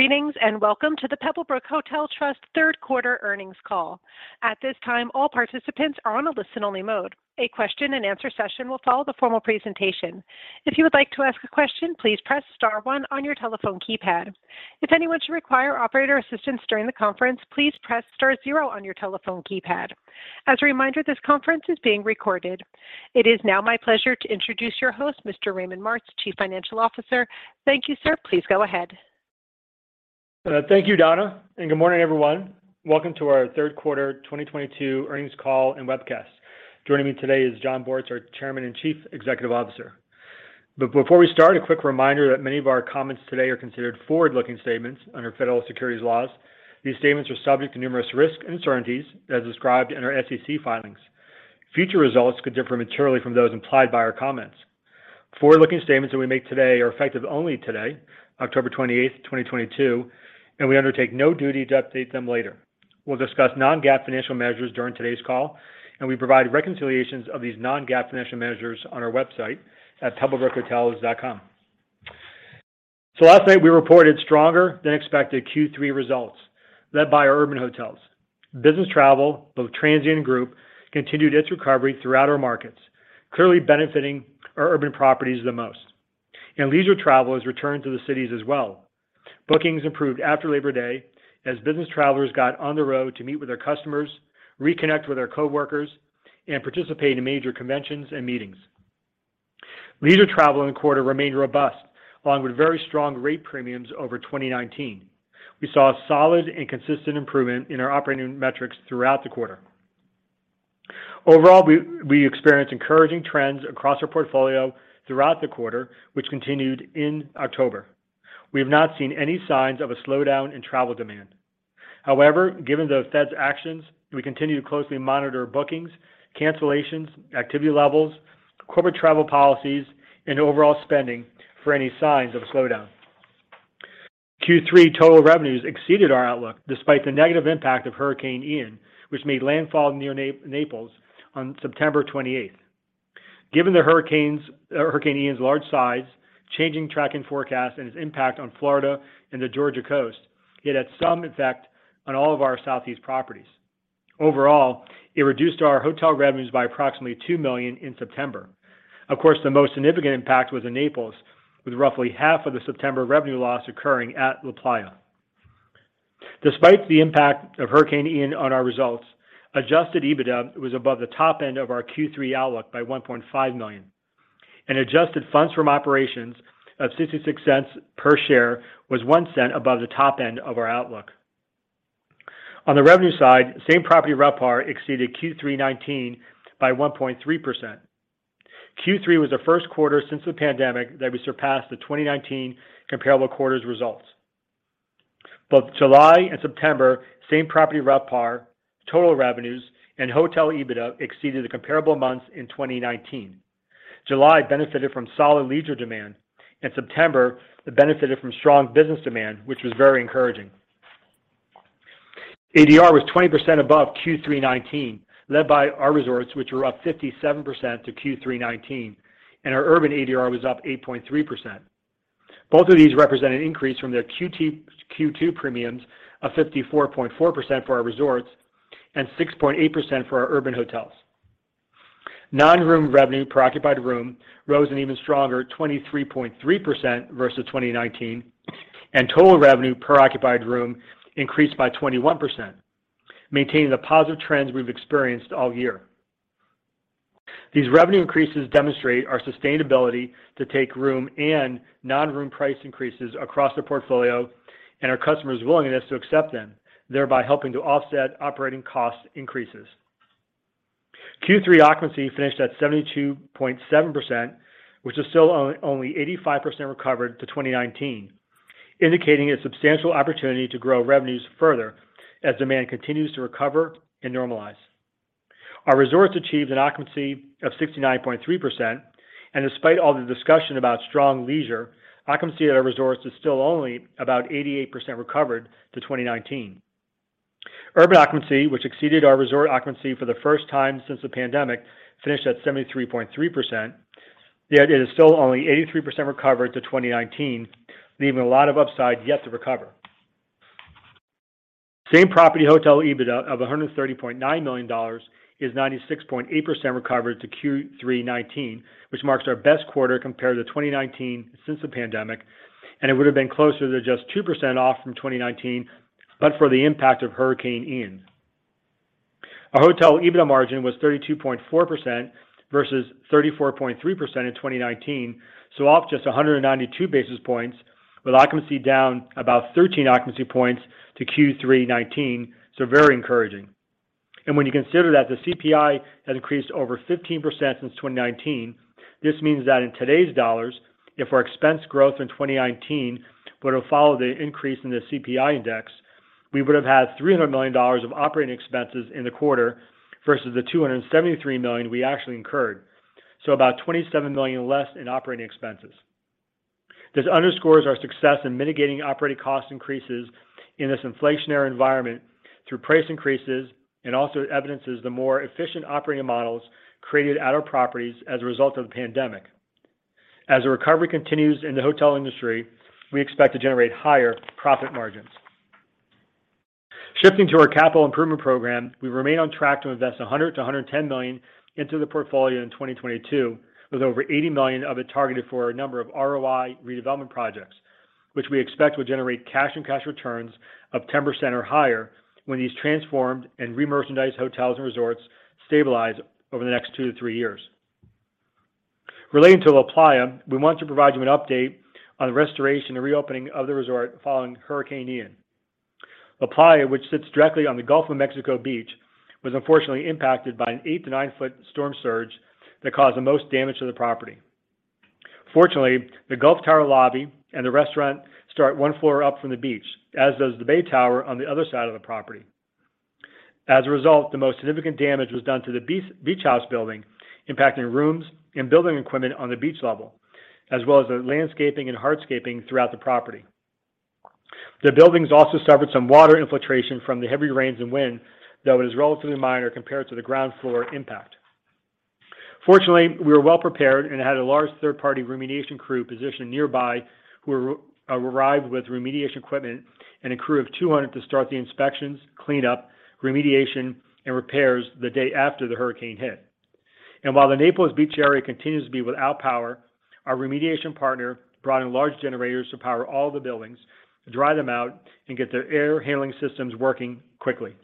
Greetings, and welcome to the Pebblebrook Hotel Trust third quarter earnings call. At this time, all participants are on a listen-only mode. A question-and-answer session will follow the formal presentation. If you would like to ask a question, please press star one on your telephone keypad. If anyone should require operator assistance during the conference, please press star zero on your telephone keypad. As a reminder, this conference is being recorded. It is now my pleasure to introduce your host, Mr. Raymond Martz, Chief Financial Officer. Thank you, sir. Please go ahead. Thank you, Donna, and good morning, everyone. Welcome to our third quarter 2022 earnings call and webcast. Joining me today is Jon Bortz, our Chairman and Chief Executive Officer. Before we start, a quick reminder that many of our comments today are considered forward-looking statements under federal securities laws. These statements are subject to numerous risks and uncertainties as described in our SEC filings. Future results could differ materially from those implied by our comments. Forward-looking statements that we make today are effective only today, October 28th, 2022, and we undertake no duty to update them later. We'll discuss non-GAAP financial measures during today's call, and we provide reconciliations of these non-GAAP financial measures on our website at pebblebrookhotels.com. Last night we reported stronger than expected Q3 results led by our urban hotels. Business travel, both transient and group, continued its recovery throughout our markets, clearly benefiting our urban properties the most. Leisure travel has returned to the cities as well. Bookings improved after Labor Day as business travelers got on the road to meet with their customers, reconnect with their coworkers, and participate in major conventions and meetings. Leisure travel in the quarter remained robust, along with very strong rate premiums over 2019. We saw a solid and consistent improvement in our operating metrics throughout the quarter. Overall, we experienced encouraging trends across our portfolio throughout the quarter, which continued in October. We have not seen any signs of a slowdown in travel demand. However, given the Fed's actions, we continue to closely monitor bookings, cancellations, activity levels, corporate travel policies, and overall spending for any signs of a slowdown. Q3 total revenues exceeded our outlook despite the negative impact of Hurricane Ian, which made landfall near Naples on September 28th. Given Hurricane Ian's large size, changing track and forecast, and its impact on Florida and the Georgia coast, it had some effect on all of our southeast properties. Overall, it reduced our hotel revenues by approximately $2 million in September. Of course, the most significant impact was in Naples, with roughly half of the September revenue loss occurring at LaPlaya. Despite the impact of Hurricane Ian on our results, adjusted EBITDA was above the top end of our Q3 outlook by $1.5 million, and adjusted funds from operations of $0.66 per share was $0.01 above the top end of our outlook. On the revenue side, same-property RevPAR exceeded Q3 2019 by 1.3%. Q3 was the first quarter since the pandemic that we surpassed the 2019 comparable quarter's results. Both July and September, same-property RevPAR, total revenues, and hotel EBITDA exceeded the comparable months in 2019. July benefited from solid leisure demand, and September benefited from strong business demand, which was very encouraging. ADR was 20% above Q3 2019, led by our resorts, which were up 57% to Q3 2019, and our urban ADR was up 8.3%. Both of these represent an increase from their Q2 premiums of 54.4% for our resorts and 6.8% for our urban hotels. Non-room revenue per occupied room rose an even stronger 23.3% versus 2019, and total revenue per occupied room increased by 21%, maintaining the positive trends we've experienced all year. These revenue increases demonstrate our sustainability to take room and non-room price increases across the portfolio and our customers' willingness to accept them, thereby helping to offset operating cost increases. Q3 occupancy finished at 72.7%, which is still only 85% recovered to 2019, indicating a substantial opportunity to grow revenues further as demand continues to recover and normalize. Our resorts achieved an occupancy of 69.3%, and despite all the discussion about strong leisure, occupancy at our resorts is still only about 88% recovered to 2019. Urban occupancy, which exceeded our resort occupancy for the first time since the pandemic, finished at 73.3%, yet it is still only 83% recovered to 2019, leaving a lot of upside yet to recover. Same-property hotel EBITDA of $130.9 million is 96.8% recovered to Q3 2019, which marks our best quarter compared to 2019 since the pandemic, and it would have been closer to just 2% off from 2019 but for the impact of Hurricane Ian. Our hotel EBITDA margin was 32.4% versus 34.3% in 2019, so off just 192 basis points, with occupancy down about 13 occupancy points to Q3 2019, so very encouraging. When you consider that the CPI has increased over 15% since 2019, this means that in today's dollars, if our expense growth in 2019 were to follow the increase in the CPI index, we would have had $300 million of operating expenses in the quarter versus the $273 million we actually incurred. About $27 million less in operating expenses. This underscores our success in mitigating operating cost increases in this inflationary environment through price increases and also evidences the more efficient operating models created at our properties as a result of the pandemic. As the recovery continues in the hotel industry, we expect to generate higher profit margins. Shifting to our capital improvement program, we remain on track to invest $100 million-$110 million into the portfolio in 2022, with over $80 million of it targeted for a number of ROI redevelopment projects, which we expect will generate cash and cash returns of 10% or higher when these transformed and re-merchandised hotels and resorts stabilize over the next two to three years. Relating to LaPlaya, we want to provide you an update on the restoration and reopening of the resort following Hurricane Ian. LaPlaya, which sits directly on the Gulf of Mexico Beach, was unfortunately impacted by 8-9 ft storm surge that caused the most damage to the property. Fortunately, the Gulf Tower lobby and the restaurant start one floor up from the beach, as does the Bay Tower on the other side of the property. As a result, the most significant damage was done to the beach house building, impacting rooms and building equipment on the beach level, as well as the landscaping and hardscaping throughout the property. The buildings also suffered some water infiltration from the heavy rains and wind, though it is relatively minor compared to the ground floor impact. Fortunately, we were well prepared and had a large third-party remediation crew positioned nearby who arrived with remediation equipment and a crew of 200 to start the inspections, cleanup, remediation, and repairs the day after the hurricane hit. While the Naples Beach area continues to be without power, our remediation partner brought in large generators to power all the buildings, to dry them out, and get their air handling systems working quickly.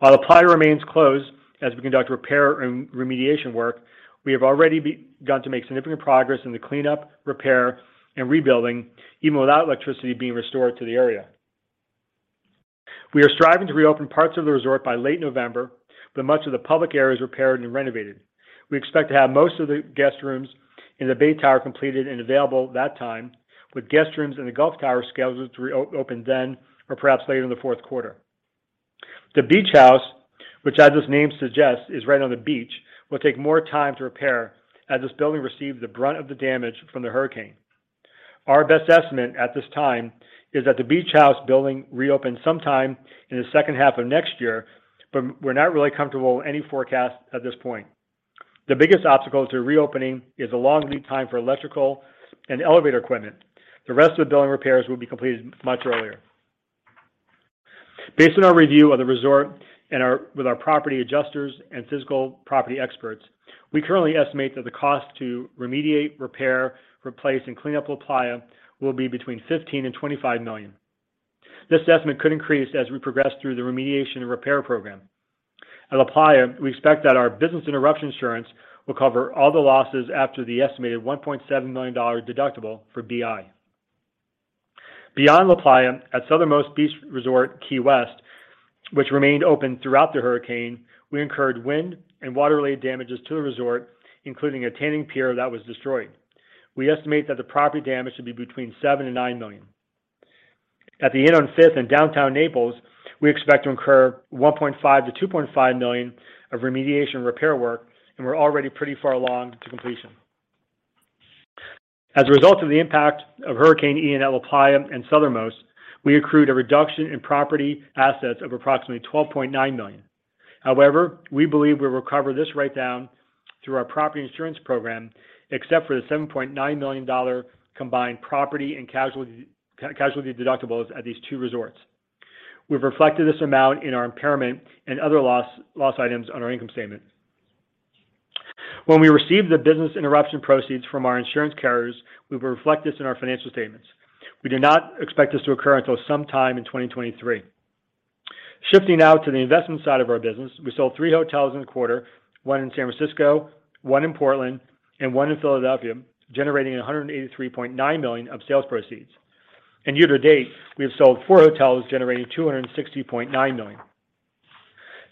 While LaPlaya remains closed as we conduct repair and remediation work, we have already begun to make significant progress in the cleanup, repair, and rebuilding, even without electricity being restored to the area. We are striving to reopen parts of the resort by late November, with much of the public areas repaired and renovated. We expect to have most of the guest rooms in the Bay Tower completed and available that time, with guest rooms in the Gulf Tower scheduled to reopen then or perhaps later in the fourth quarter. The beach house, which, as its name suggests, is right on the beach, will take more time to repair as this building received the brunt of the damage from the hurricane. Our best estimate at this time is that the beach house building reopen sometime in the second half of next year, but we're not really comfortable with any forecast at this point. The biggest obstacle to reopening is the long lead time for electrical and elevator equipment. The rest of the building repairs will be completed much earlier. Based on our review of the resort and with our property adjusters and physical property experts, we currently estimate that the cost to remediate, repair, replace, and clean up LaPlaya will be between $15 million-$25 million. This estimate could increase as we progress through the remediation and repair program. At LaPlaya, we expect that our business interruption insurance will cover all the losses after the estimated $1.7 million deductible for BI. Beyond LaPlaya, at Southernmost Beach Resort Key West, which remained open throughout the hurricane, we incurred wind and water-related damages to the resort, including a tanning pier that was destroyed. We estimate that the property damage to be between $7 million-$9 million. At the Inn on Fifth in Downtown Naples, we expect to incur $1.5 million-$2.5 million of remediation repair work, and we're already pretty far along to completion. As a result of the impact of Hurricane Ian at LaPlaya and Southernmost, we accrued a reduction in property assets of approximately $12.9 million. However, we believe we'll recover this write-down through our property insurance program, except for the $7.9 million combined property and casualty deductibles at these two resorts. We've reflected this amount in our impairment and other loss items on our income statement. When we receive the business interruption proceeds from our insurance carriers, we will reflect this in our financial statements. We do not expect this to occur until sometime in 2023. Shifting now to the investment side of our business, we sold three hotels in the quarter, one in San Francisco, one in Portland, and one in Philadelphia, generating $183.9 million of sales proceeds. Year to date, we have sold four hotels, generating $260.9 million.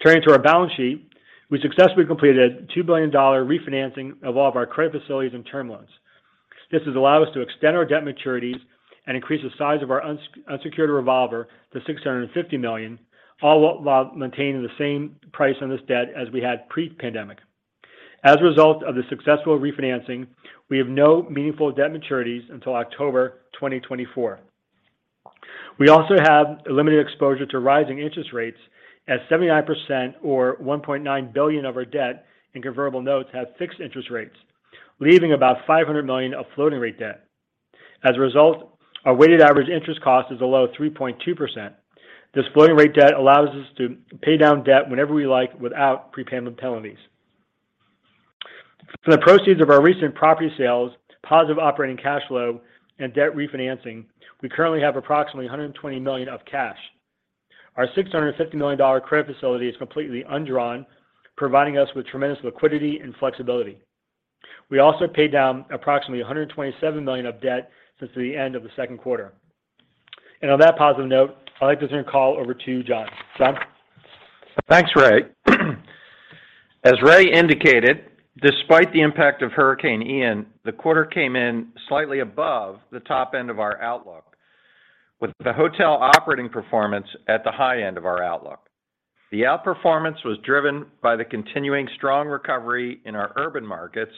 Turning to our balance sheet, we successfully completed a $2 billion refinancing of all of our credit facilities and term loans. This has allowed us to extend our debt maturities and increase the size of our unsecured revolver to $650 million, all while maintaining the same price on this debt as we had pre-pandemic. As a result of the successful refinancing, we have no meaningful debt maturities until October 2024. We also have limited exposure to rising interest rates as 79% or $1.9 billion of our debt in convertible notes have fixed interest rates, leaving about $500 million of floating rate debt. As a result, our weighted average interest cost is a low 3.2%. This floating rate debt allows us to pay down debt whenever we like without prepayment penalties. From the proceeds of our recent property sales, positive operating cash flow, and debt refinancing, we currently have approximately $120 million of cash. Our $650 million credit facility is completely undrawn, providing us with tremendous liquidity and flexibility. We also paid down approximately $127 million of debt since the end of the second quarter. On that positive note, I'd like to turn the call over to Jon. Jon? Thanks, Ray. As Ray indicated, despite the impact of Hurricane Ian, the quarter came in slightly above the top end of our outlook, with the hotel operating performance at the high end of our outlook. The outperformance was driven by the continuing strong recovery in our urban markets,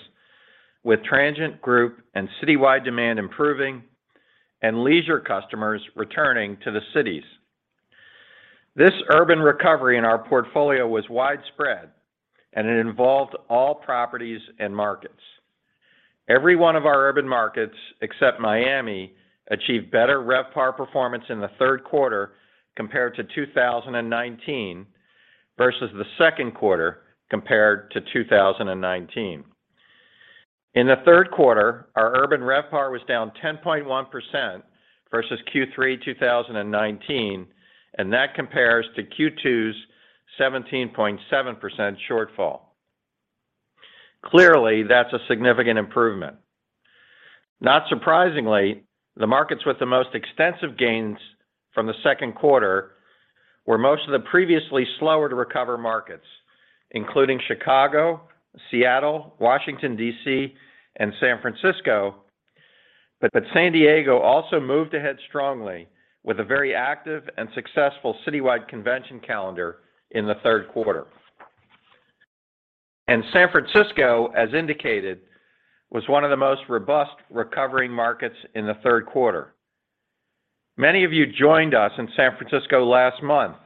with transient group and citywide demand improving and leisure customers returning to the cities. This urban recovery in our portfolio was widespread and it involved all properties and markets. Every one of our urban markets, except Miami, achieved better RevPAR performance in the third quarter compared to 2019 versus the second quarter compared to 2019. In the third quarter, our urban RevPAR was down 10.1% versus Q3 2019, and that compares to Q2's 17.7% shortfall. Clearly, that's a significant improvement. Not surprisingly, the markets with the most extensive gains from the second quarter were most of the previously slower-to-recover markets, including Chicago, Seattle, Washington, D.C., and San Francisco. San Diego also moved ahead strongly with a very active and successful citywide convention calendar in the third quarter. San Francisco, as indicated, was one of the most robust recovering markets in the third quarter. Many of you joined us in San Francisco last month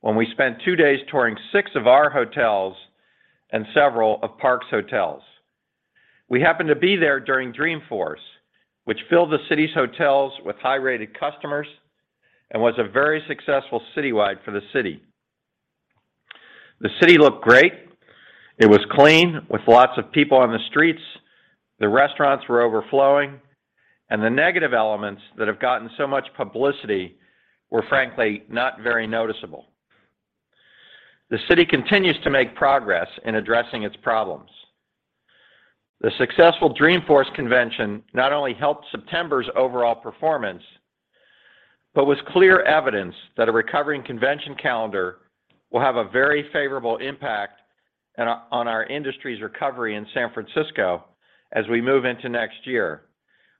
when we spent two days touring six of our hotels and several of Park Hotels. We happened to be there during Dreamforce, which filled the city's hotels with high-rated customers and was a very successful citywide for the city. The city looked great. It was clean with lots of people on the streets, the restaurants were overflowing, and the negative elements that have gotten so much publicity were frankly not very noticeable. The city continues to make progress in addressing its problems. The successful Dreamforce convention not only helped September's overall performance, but was clear evidence that a recovering convention calendar will have a very favorable impact on our industry's recovery in San Francisco as we move into next year,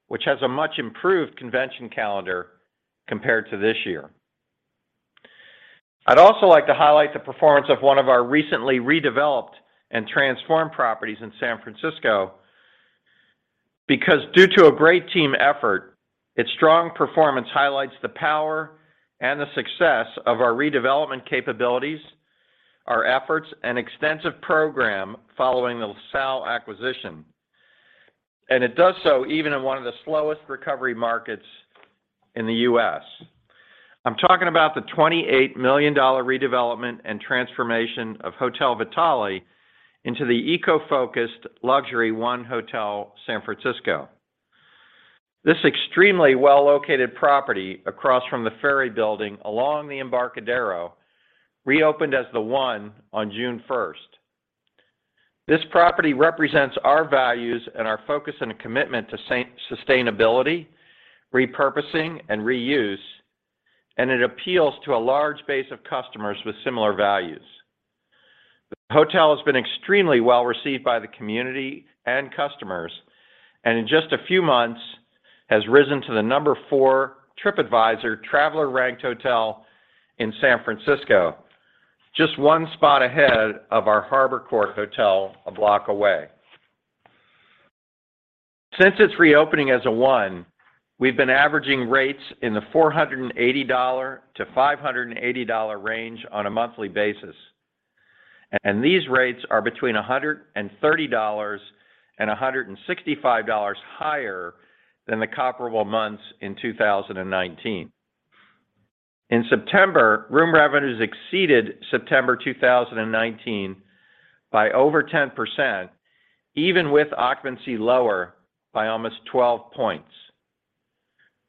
which has a much improved convention calendar compared to this year. I'd also like to highlight the performance of one of our recently redeveloped and transformed properties in San Francisco, because due to a great team effort, its strong performance highlights the power and the success of our redevelopment capabilities, our efforts, and extensive program following the LaSalle acquisition. It does so even in one of the slowest recovery markets in the U.S. I'm talking about the $28 million redevelopment and transformation of Hotel Vitale into the eco-focused luxury 1 Hotel San Francisco. This extremely well-located property across from the Ferry Building along the Embarcadero reopened as the 1 on June 1st. This property represents our values and our focus and commitment to sustainability, repurposing, and reuse, and it appeals to a large base of customers with similar values. The hotel has been extremely well-received by the community and customers, and in just a few months has risen to the number four TripAdvisor traveler-ranked hotel in San Francisco, just one spot ahead of our Harbor Court Hotel a block away. Since its reopening as a 1, we've been averaging rates in the $480-$580 range on a monthly basis. These rates are between $130-$165 higher than the comparable months in 2019. In September, room revenues exceeded September 2019 by over 10%, even with occupancy lower by almost 12 points.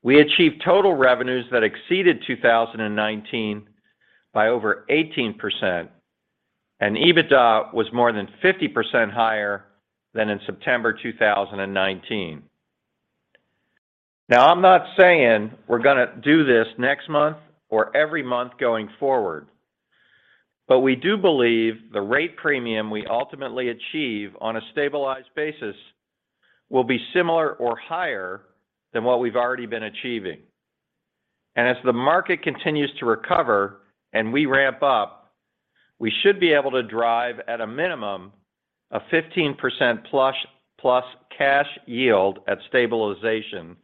We achieved total revenues that exceeded 2019 by over 18%, and EBITDA was more than 50% higher than in September 2019. Now, I'm not saying we're gonna do this next month or every month going forward, but we do believe the rate premium we ultimately achieve on a stabilized basis will be similar or higher than what we've already been achieving. As the market continues to recover and we ramp up, we should be able to drive at a minimum a 15% plus cash yield at stabilization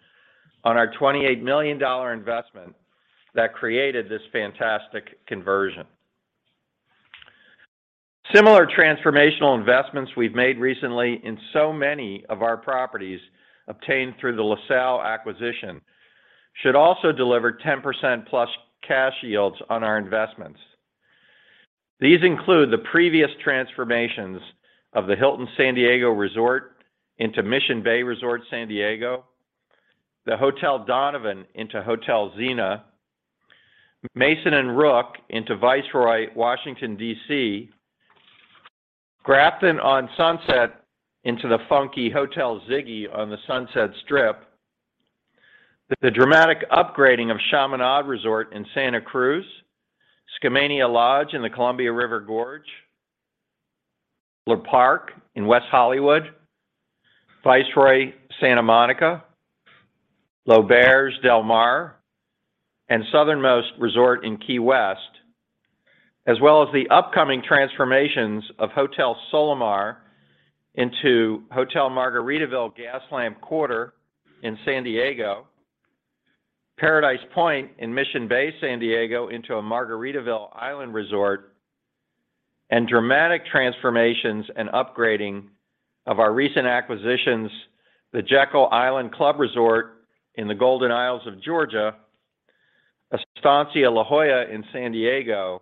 on our $28 million investment that created this fantastic conversion. Similar transformational investments we've made recently in so many of our properties obtained through the LaSalle acquisition should also deliver 10%+ cash yields on our investments. These include the previous transformations of the Hilton San Diego Resort into Mission Bay Resort San Diego, the Hotel Donovan into Hotel Zena, Mason & Rook into Viceroy Washington, D.C., Grafton on Sunset into the Hotel Ziggy on the Sunset Strip. The dramatic upgrading of Chaminade Resort in Santa Cruz, Skamania Lodge in the Columbia River Gorge, Le Parc at Melrose in West Hollywood, Viceroy Santa Monica, L'Auberge Del Mar, and Southernmost Beach Resort in Key West. As well as the upcoming transformations of Hotel Solamar into Margaritaville Hotel San Diego Gaslamp Quarter in San Diego, Paradise Point in Mission Bay, San Diego into a Margaritaville Island Resort, and dramatic transformations and upgrading of our recent acquisitions, the Jekyll Island Club Resort in the Golden Isles of Georgia, Estancia La Jolla Hotel & Spa in San Diego,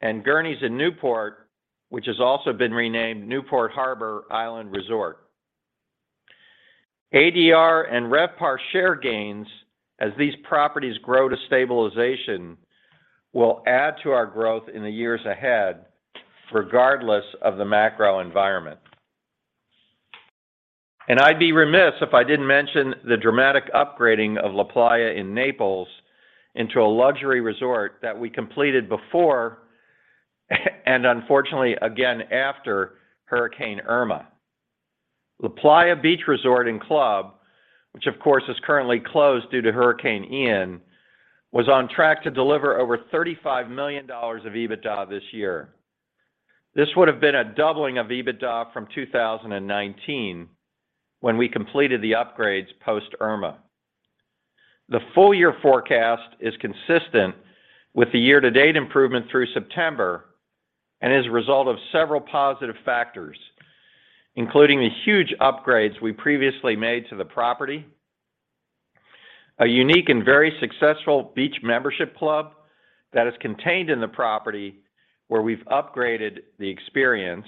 and Gurney's Newport Resort & Marina in Newport, which has also been renamed Newport Harbor Island Resort. ADR and RevPAR share gains as these properties grow to stabilization will add to our growth in the years ahead regardless of the macro environment. I'd be remiss if I didn't mention the dramatic upgrading of LaPlaya in Naples into a luxury resort that we completed before and unfortunately again after Hurricane Irma. LaPlaya Beach & Golf Resort, which of course is currently closed due to Hurricane Ian, was on track to deliver over $35 million of EBITDA this year. This would have been a doubling of EBITDA from 2019 when we completed the upgrades post Irma. The full year forecast is consistent with the year-to-date improvement through September and is a result of several positive factors, including the huge upgrades we previously made to the property, a unique and very successful beach membership club that is contained in the property where we've upgraded the experience,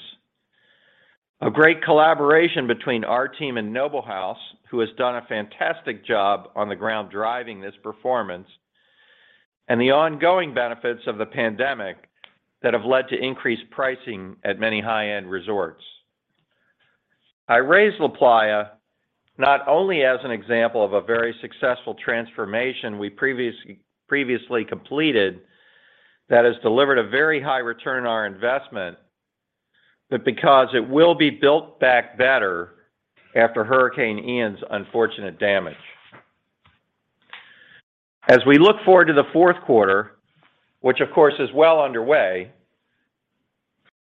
a great collaboration between our team and Noble House, who has done a fantastic job on the ground driving this performance, and the ongoing benefits of the pandemic that have led to increased pricing at many high-end resorts. I raise LaPlaya not only as an example of a very successful transformation we previously completed that has delivered a very high return on our investment, but because it will be built back better after Hurricane Ian's unfortunate damage. As we look forward to the fourth quarter, which of course is well underway,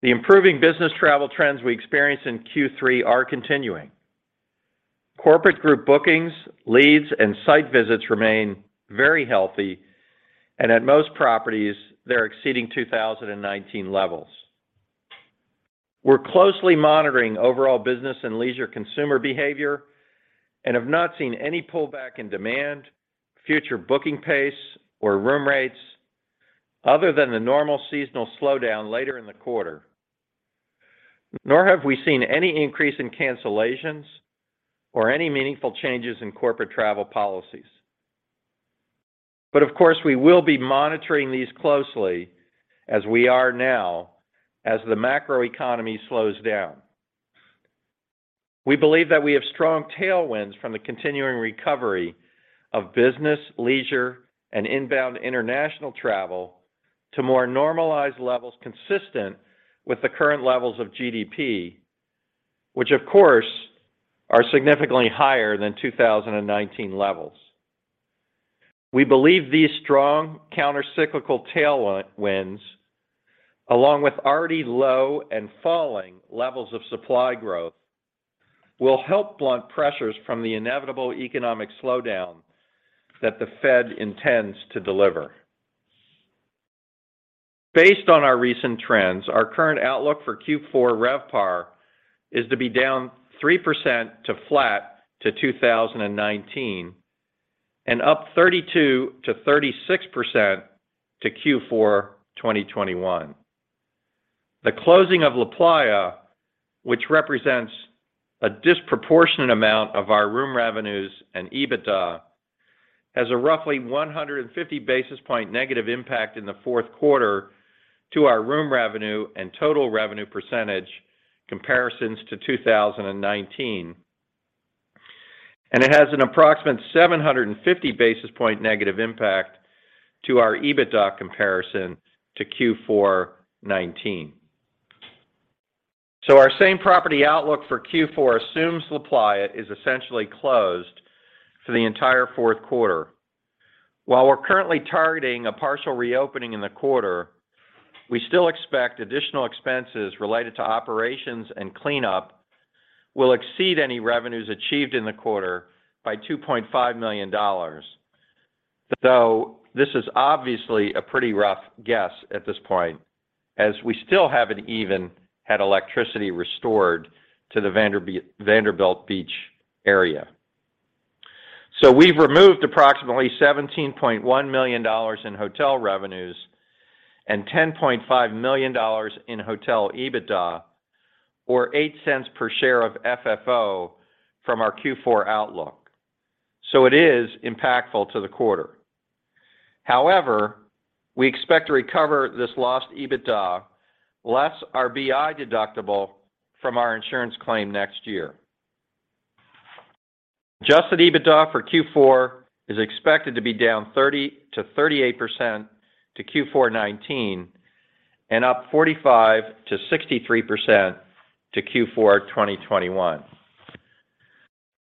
the improving business travel trends we experienced in Q3 are continuing. Corporate group bookings, leads, and site visits remain very healthy, and at most properties, they're exceeding 2019 levels. We're closely monitoring overall business and leisure consumer behavior and have not seen any pullback in demand, future booking pace, or room rates other than the normal seasonal slowdown later in the quarter, nor have we seen any increase in cancellations or any meaningful changes in corporate travel policies. Of course, we will be monitoring these closely as we are now as the macroeconomy slows down. We believe that we have strong tailwinds from the continuing recovery of business, leisure, and inbound international travel to more normalized levels consistent with the current levels of GDP, which of course are significantly higher than 2019 levels. We believe these strong countercyclical tailwinds, along with already low and falling levels of supply growth, will help blunt pressures from the inevitable economic slowdown that the Fed intends to deliver. Based on our recent trends, our current outlook for Q4 RevPAR is to be down 3% to flat to 2019 and up 32%-36% to Q4 2021. The closing of LaPlaya, which represents a disproportionate amount of our room revenues and EBITDA, has a roughly 150 basis point negative impact in the fourth quarter to our room revenue and total revenue percentage comparisons to 2019. It has an approximate 750 basis points negative impact to our EBITDA comparison to Q4 2019. Our same property outlook for Q4 assumes LaPlaya is essentially closed for the entire fourth quarter. While we're currently targeting a partial reopening in the quarter, we still expect additional expenses related to operations and cleanup will exceed any revenues achieved in the quarter by $2.5 million, though this is obviously a pretty rough guess at this point as we still haven't even had electricity restored to the Vanderbilt Beach area. We've removed approximately $17.1 million in hotel revenues and $10.5 million in hotel EBITDA, or $0.08 per share of FFO from our Q4 outlook. It is impactful to the quarter. However, we expect to recover this lost EBITDA less our BI deductible from our insurance claim next year. Adjusted EBITDA for Q4 is expected to be down 30%-38% to Q4 2019 and up 45%-63% to Q4 2021.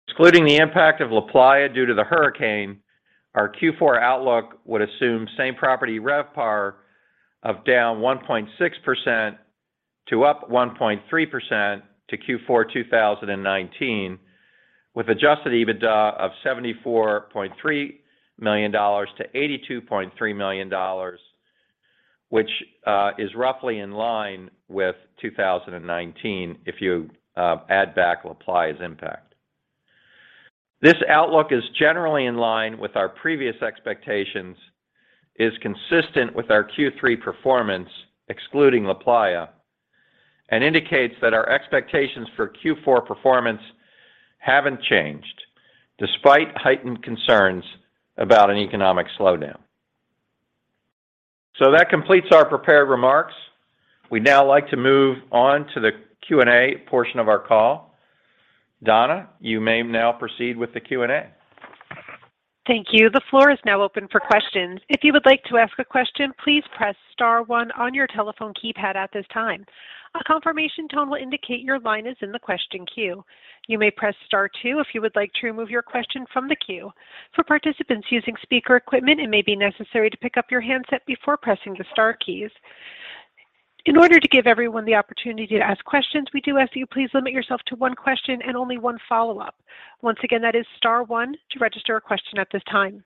Excluding the impact of LaPlaya due to the hurricane, our Q4 outlook would assume same-property RevPAR of down 1.6% to up 1.3% to Q4 2019, with adjusted EBITDA of $74.3 million to $82.3 million, which is roughly in line with 2019 if you add back LaPlaya's impact. This outlook is generally in line with our previous expectations, is consistent with our Q3 performance, excluding LaPlaya, and indicates that our expectations for Q4 performance haven't changed despite heightened concerns about an economic slowdown. That completes our prepared remarks. We'd now like to move on to the Q&A portion of our call. Donna, you may now proceed with the Q&A. Thank you. The floor is now open for questions. If you would like to ask a question, please press star one on your telephone keypad at this time. A confirmation tone will indicate your line is in the question queue. You may press star two if you would like to remove your question from the queue. For participants using speaker equipment, it may be necessary to pick up your handset before pressing the star keys. In order to give everyone the opportunity to ask questions, we do ask you please limit yourself to one question and only one follow-up. Once again, that is star one to register a question at this time.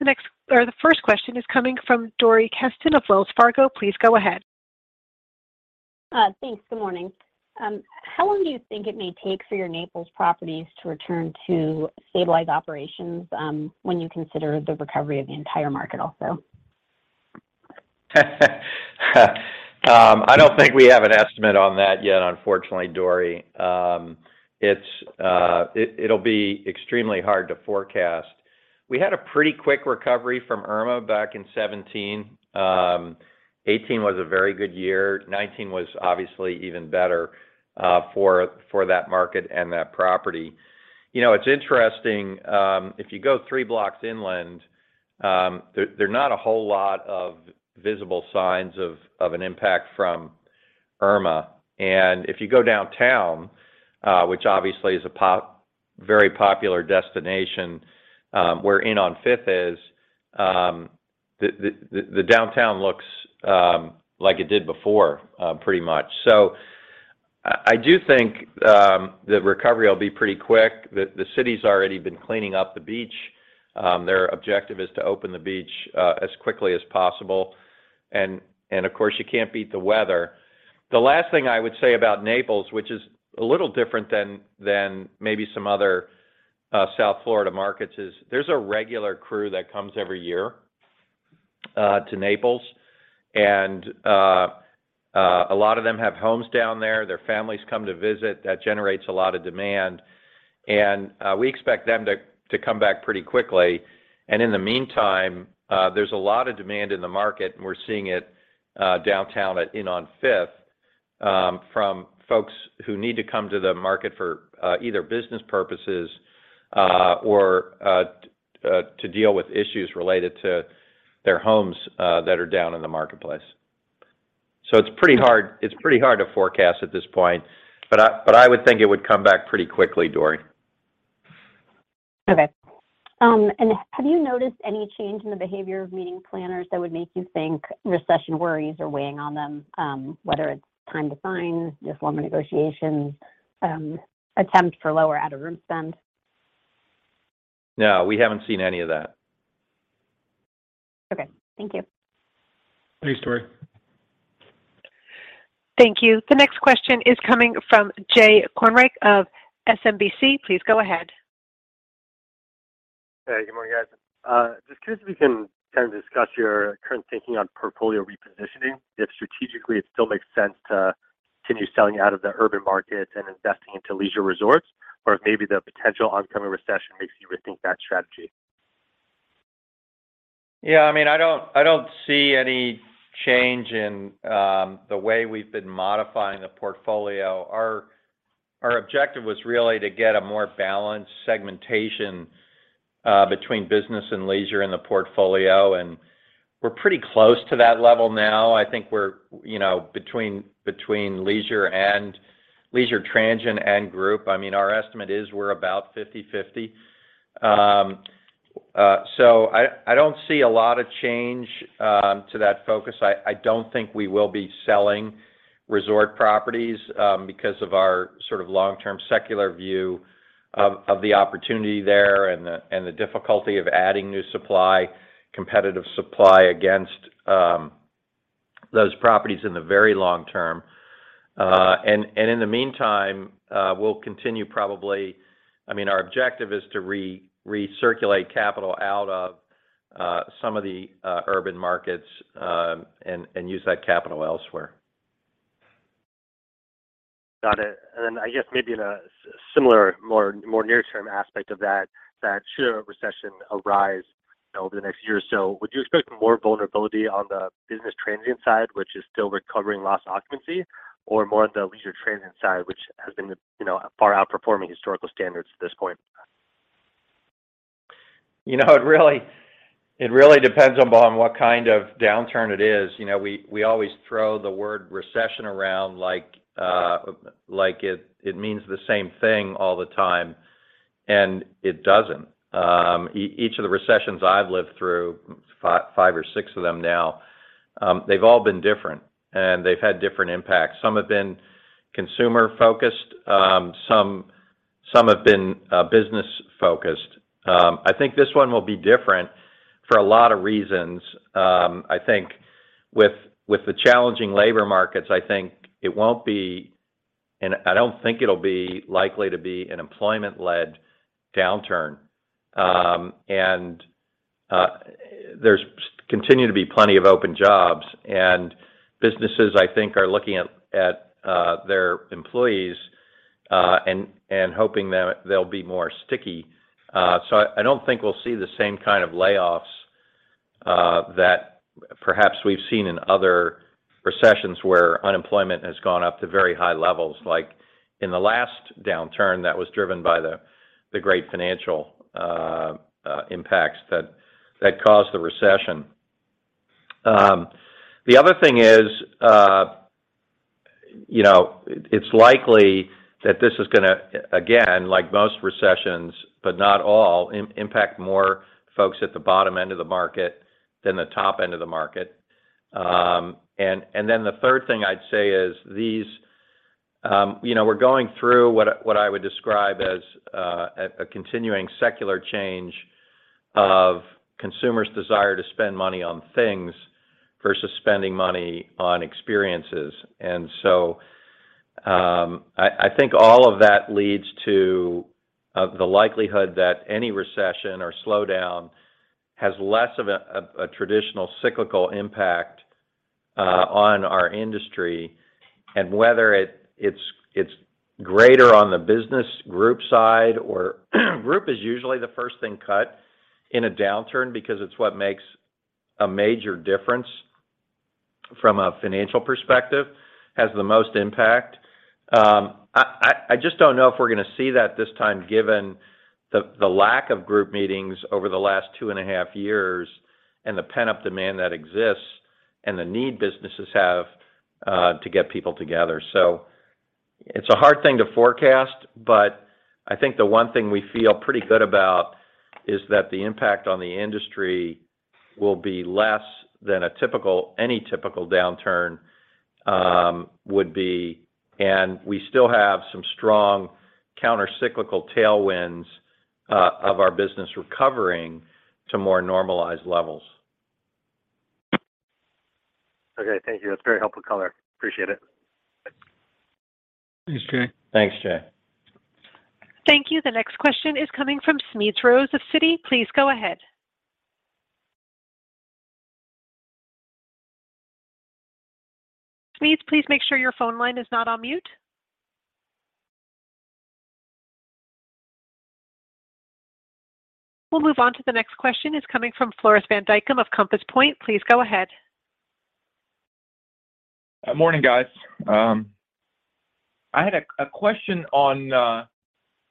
The first question is coming from Dori Kesten of Wells Fargo. Please go ahead. Thanks. Good morning. How long do you think it may take for your Naples properties to return to stabilized operations, when you consider the recovery of the entire market also? I don't think we have an estimate on that yet, unfortunately, Dori. It's it'll be extremely hard to forecast. We had a pretty quick recovery from Irma back in 2017. 2018 was a very good year. 2019 was obviously even better for that market and that property. You know, it's interesting, if you go three blocks inland, there are not a whole lot of visible signs of an impact from Irma. If you go downtown, which obviously is a very popular destination, where Inn on Fifth is, the downtown looks like it did before, pretty much. I do think the recovery will be pretty quick. The city's already been cleaning up the beach. Their objective is to open the beach as quickly as possible. Of course, you can't beat the weather. The last thing I would say about Naples, which is a little different than maybe some other South Florida markets, is there's a regular crew that comes every year to Naples, and a lot of them have homes down there. Their families come to visit. That generates a lot of demand. We expect them to come back pretty quickly. In the meantime, there's a lot of demand in the market, and we're seeing it downtown at Inn on Fifth from folks who need to come to the market for either business purposes or to deal with issues related to their homes that are down in the marketplace. It's pretty hard to forecast at this point, but I would think it would come back pretty quickly, Dori. Have you noticed any change in the behavior of meeting planners that would make you think recession worries are weighing on them, whether it's time to sign, just longer negotiations, attempt for lower out-of-room spend? No, we haven't seen any of that. Okay. Thank you. Thanks, Dori. Thank you. The next question is coming from Jay Kornreich of SMBC. Please go ahead. Hey, good morning, guys. Just curious if you can kind of discuss your current thinking on portfolio repositioning, if strategically it still makes sense to continue selling out of the urban markets and investing into leisure resorts, or if maybe the potential oncoming recession makes you rethink that strategy. Yeah, I mean, I don't see any change in the way we've been modifying the portfolio. Our objective was really to get a more balanced segmentation between business and leisure in the portfolio, and we're pretty close to that level now. I think we're, you know, between leisure and leisure transient and group. I mean, our estimate is we're about 50/50. I don't see a lot of change to that focus. I don't think we will be selling resort properties because of our sort of long-term secular view of the opportunity there and the difficulty of adding new supply, competitive supply against those properties in the very long term. In the meantime, we'll continue probably. I mean, our objective is to recirculate capital out of some of the urban markets, and use that capital elsewhere. Got it. I guess maybe in a similar, more near-term aspect of that should a recession arise over the next year or so, would you expect more vulnerability on the business transient side, which is still recovering lost occupancy, or more on the leisure transient side, which has been, you know, far outperforming historical standards at this point? You know, it really depends upon what kind of downturn it is. You know, we always throw the word recession around like it means the same thing all the time, and it doesn't. Each of the recessions I've lived through, five or six of them now, they've all been different and they've had different impacts. Some have been consumer-focused, some have been business-focused. I think this one will be different for a lot of reasons. I think with the challenging labor markets, I think it won't be, and I don't think it'll be likely to be an employment-led downturn. There continues to be plenty of open jobs. Businesses, I think, are looking at their employees and hoping that they'll be more sticky. I don't think we'll see the same kind of layoffs that perhaps we've seen in other recessions where unemployment has gone up to very high levels, like in the last downturn that was driven by the great financial impacts that caused the recession. The other thing is, you know, it's likely that this is gonna again, like most recessions, but not all, impact more folks at the bottom end of the market than the top end of the market. Then the third thing I'd say is, you know, we're going through what I would describe as a continuing secular change of consumers' desire to spend money on things versus spending money on experiences. I think all of that leads to the likelihood that any recession or slowdown has less of a traditional cyclical impact on our industry. Whether it's greater on the business or group side, group is usually the first thing cut in a downturn because it's what makes a major difference from a financial perspective, has the most impact. I just don't know if we're gonna see that this time given the lack of group meetings over the last two and a half years and the pent-up demand that exists and the need businesses have to get people together. It's a hard thing to forecast, but I think the one thing we feel pretty good about is that the impact on the industry will be less than any typical downturn would be. We still have some strong countercyclical tailwinds of our business recovering to more normalized levels. Okay, thank you. That's a very helpful color. Appreciate it. Thanks, Jay. Thanks, Jay. Thank you. The next question is coming from Smedes Rose of Citi. Please go ahead. Smedes, please make sure your phone line is not on mute. We'll move on to the next question. It's coming from Floris van Dijkum of Compass Point. Please go ahead. Morning, guys. I had a question on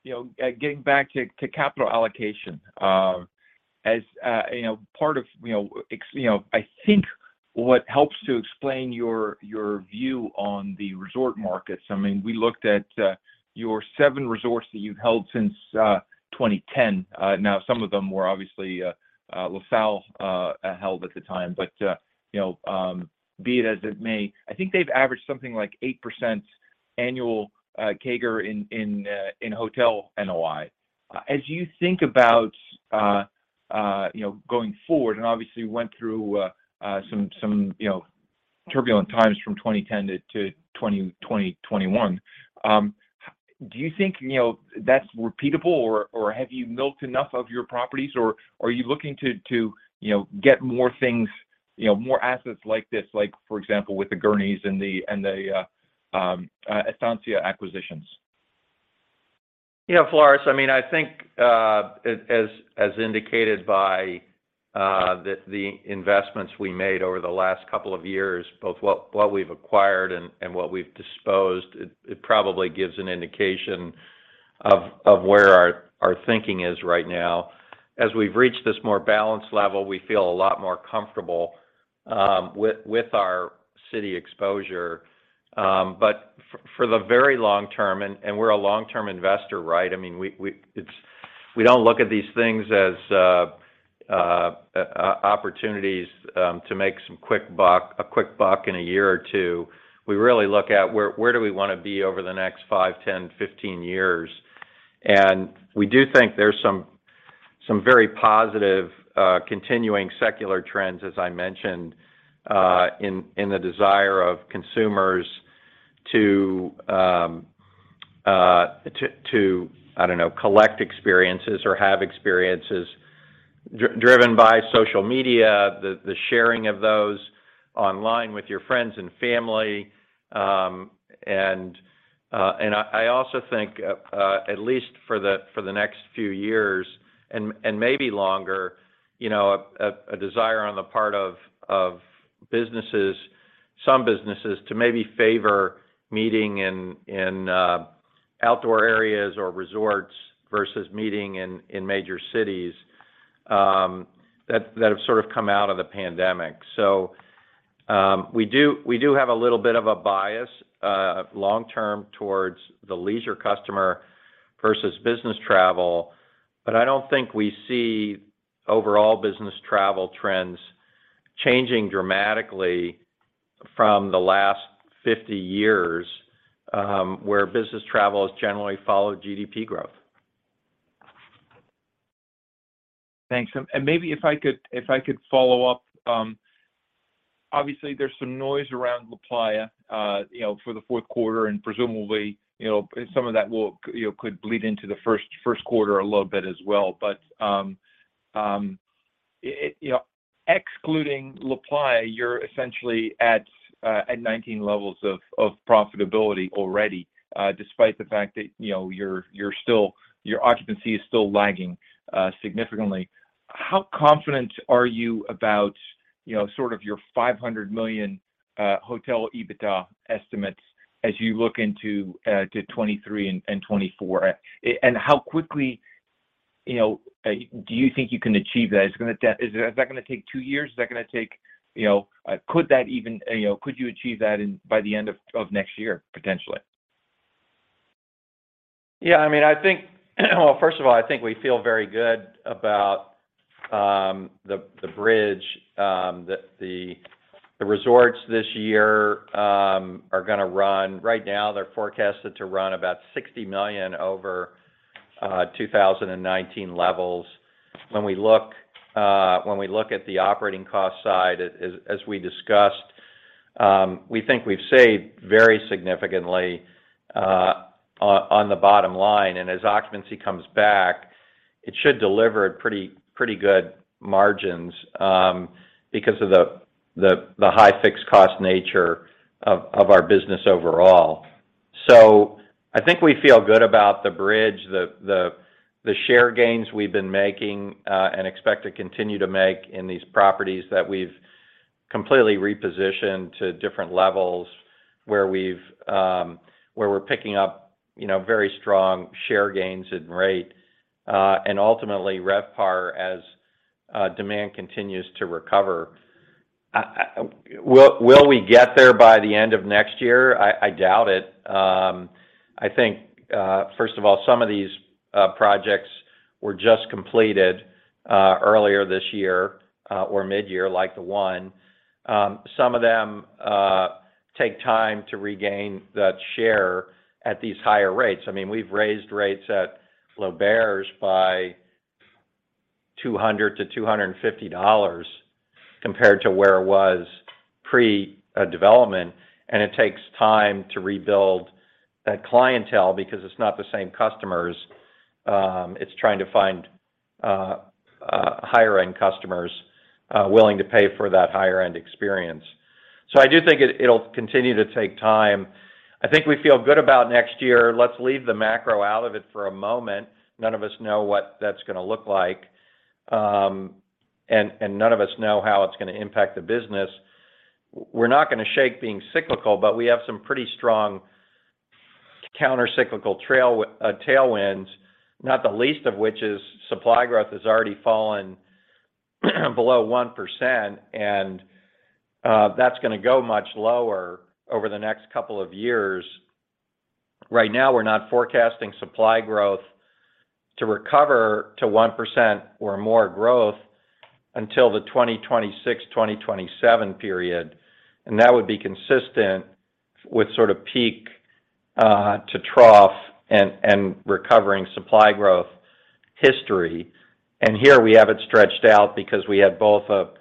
you know getting back to capital allocation. As you know, part of you know I think what helps to explain your view on the resort markets, I mean, we looked at your seven resorts that you've held since 2010. Now, some of them were obviously LaSalle-held at the time. Be it as it may, I think they've averaged something like 8% annual CAGR in hotel NOI. As you think about, you know, going forward, and obviously you went through, some, you know, turbulent times from 2010 to 2021, do you think, you know, that's repeatable, or have you milked enough of your properties, or are you looking to, you know, get more things, you know, more assets like this, like, for example, with the Gurney's and the Estancia acquisitions? You know, Floris, I mean, I think, as indicated by the investments we made over the last couple of years, both what we've acquired and what we've disposed, it probably gives an indication of where our thinking is right now. As we've reached this more balanced level, we feel a lot more comfortable with our city exposure. But for the very long term, and we're a long-term investor, right? I mean, we don't look at these things as opportunities to make some quick buck in a year or two. We really look at where do we wanna be over the next five, 10, 15 years. We do think there's some very positive continuing secular trends, as I mentioned, in the desire of consumers to I don't know, collect experiences or have experiences driven by social media, the sharing of those online with your friends and family. I also think, at least for the next few years and maybe longer, you know, a desire on the part of some businesses to maybe favor meeting in outdoor areas or resorts versus meeting in major cities that have sort of come out of the pandemic. We do have a little bit of a bias, long-term towards the leisure customer versus business travel, but I don't think we see overall business travel trends changing dramatically from the last 50 years, where business travel has generally followed GDP growth. Thanks. Maybe if I could follow up. Obviously there's some noise around LaPlaya, you know, for the fourth quarter, and presumably, you know, some of that will, you know, could bleed into the first quarter a little bit as well. But you know, excluding LaPlaya, you're essentially at 19 levels of profitability already, despite the fact that, you know, you're your occupancy is still lagging significantly. How confident are you about, you know, sort of your $500 million hotel EBITDA estimates as you look into 2023 and 2024? And how quickly, you know, do you think you can achieve that? Is that gonna take two years? Is that gonna take, you know? Could you achieve that by the end of next year, potentially? Yeah, I mean, I think. Well, first of all, I think we feel very good about the bridge that the resorts this year are gonna run. Right now, they're forecasted to run about $60 million over 2019 levels. When we look at the operating cost side, as we discussed, we think we've saved very significantly on the bottom line. As occupancy comes back, it should deliver at pretty good margins because of the high fixed cost nature of our business overall. I think we feel good about the bridge, the share gains we've been making, and expect to continue to make in these properties that we've completely repositioned to different levels where we're picking up, you know, very strong share gains in rate. Ultimately RevPAR as demand continues to recover. Will we get there by the end of next year? I doubt it. I think, first of all, some of these projects were just completed earlier this year or midyear, like the 1. Some of them take time to regain that share at these higher rates. I mean, we've raised rates at L'Auberge by $200-$250 compared to where it was pre-development, and it takes time to rebuild that clientele because it's not the same customers. It's trying to find higher-end customers willing to pay for that higher-end experience. I do think it'll continue to take time. I think we feel good about next year. Let's leave the macro out of it for a moment. None of us know what that's gonna look like, and none of us know how it's gonna impact the business. We're not gonna shake being cyclical, but we have some pretty strong countercyclical tailwinds, not the least of which is supply growth has already fallen below 1%, and that's gonna go much lower over the next couple of years. Right now, we're not forecasting supply growth to recover to 1% or more growth until the 2026, 2027 period, and that would be consistent with sort of peak to trough and recovering supply growth history. Here we have it stretched out because we had both a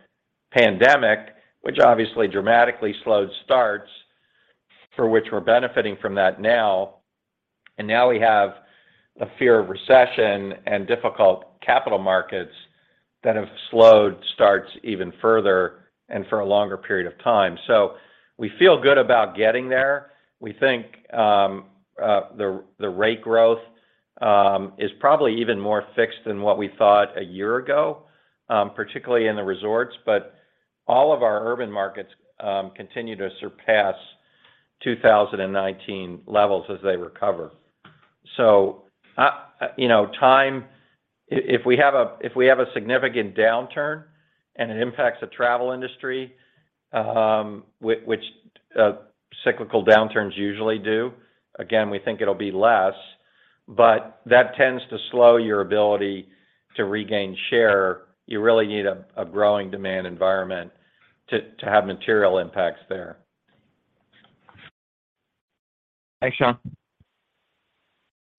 pandemic, which obviously dramatically slowed starts, for which we're benefiting from that now, and now we have a fear of recession and difficult capital markets that have slowed starts even further and for a longer period of time. We feel good about getting there. We think the rate growth is probably even more fixed than what we thought a year ago, particularly in the resorts. But all of our urban markets continue to surpass 2019 levels as they recover. You know, if we have a significant downturn and it impacts the travel industry, which cyclical downturns usually do, again, we think it'll be less, but that tends to slow your ability to regain share. You really need a growing demand environment to have material impacts there. Thanks, Jon.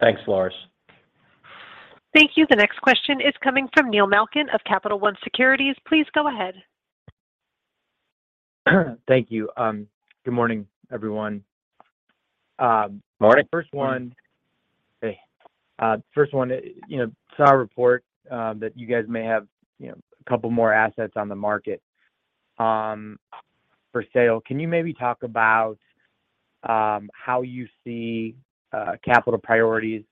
Thanks, Floris. Thank you. The next question is coming from Neil Malkin of Capital One Securities. Please go ahead. Thank you. Good morning, everyone. Good morning. First one, you know, saw a report that you guys may have a couple more assets on the market for sale. Can you maybe talk about how you see capital priorities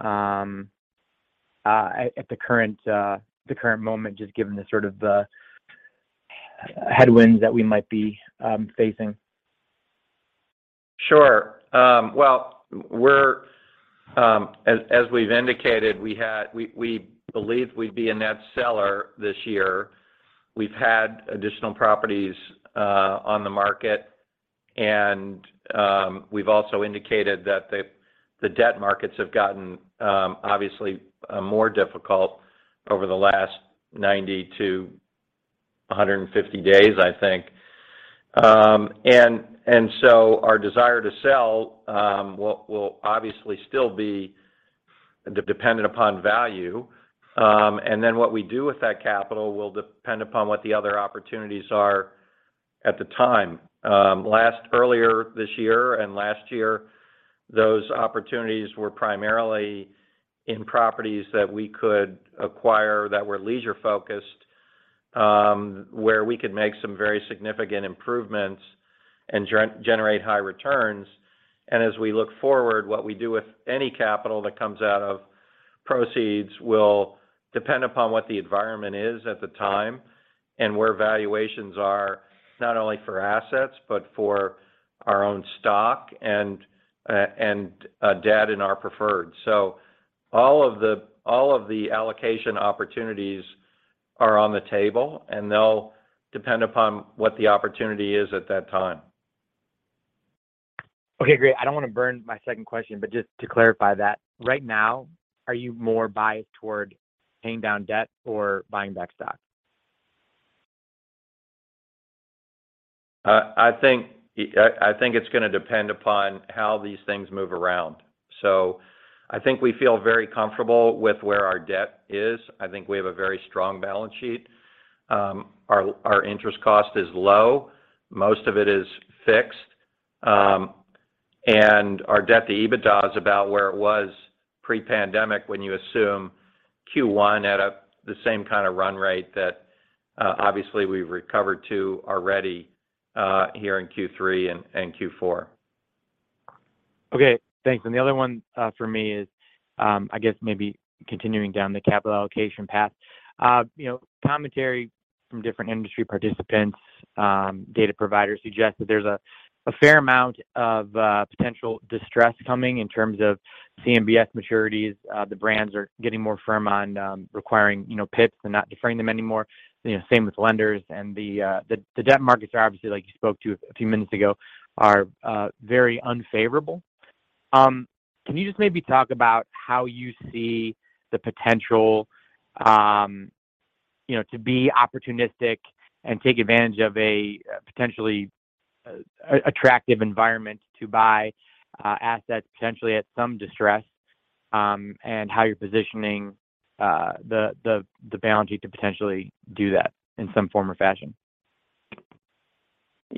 at the current moment, just given the sort of headwinds that we might be facing. Sure. Well, as we've indicated, we believe we'd be a net seller this year. We've had additional properties on the market, and we've also indicated that the debt markets have gotten obviously more difficult over the last 90-150 days, I think. Our desire to sell will obviously still be dependent upon value. What we do with that capital will depend upon what the other opportunities are at the time. Earlier this year and last year, those opportunities were primarily in properties that we could acquire that were leisure-focused, where we could make some very significant improvements and generate high returns. As we look forward, what we do with any capital that comes out of proceeds will depend upon what the environment is at the time and where valuations are, not only for assets, but for our own stock and debt in our preferred. All of the allocation opportunities are on the table, and they'll depend upon what the opportunity is at that time. Okay, great. I don't wanna burn my second question, but just to clarify that, right now, are you more biased toward paying down debt or buying back stock? I think it's gonna depend upon how these things move around. I think we feel very comfortable with where our debt is. I think we have a very strong balance sheet. Our interest cost is low, most of it is fixed. And our debt to EBITDA is about where it was pre-pandemic when you assume Q1 at the same kind of run rate that obviously we've recovered to already here in Q3 and Q4. Okay, thanks. The other one for me is, I guess maybe continuing down the capital allocation path. You know, commentary from different industry participants, data providers suggest that there's a fair amount of potential distress coming in terms of CMBS maturities. The brands are getting more firm on requiring, you know, PIPs and not deferring them anymore. You know, same with lenders and the debt markets are obviously, like you spoke to a few minutes ago, very unfavorable. Can you just maybe talk about how you see the potential, you know, to be opportunistic and take advantage of a potentially attractive environment to buy assets potentially at some distress, and how you're positioning the balance sheet to potentially do that in some form or fashion?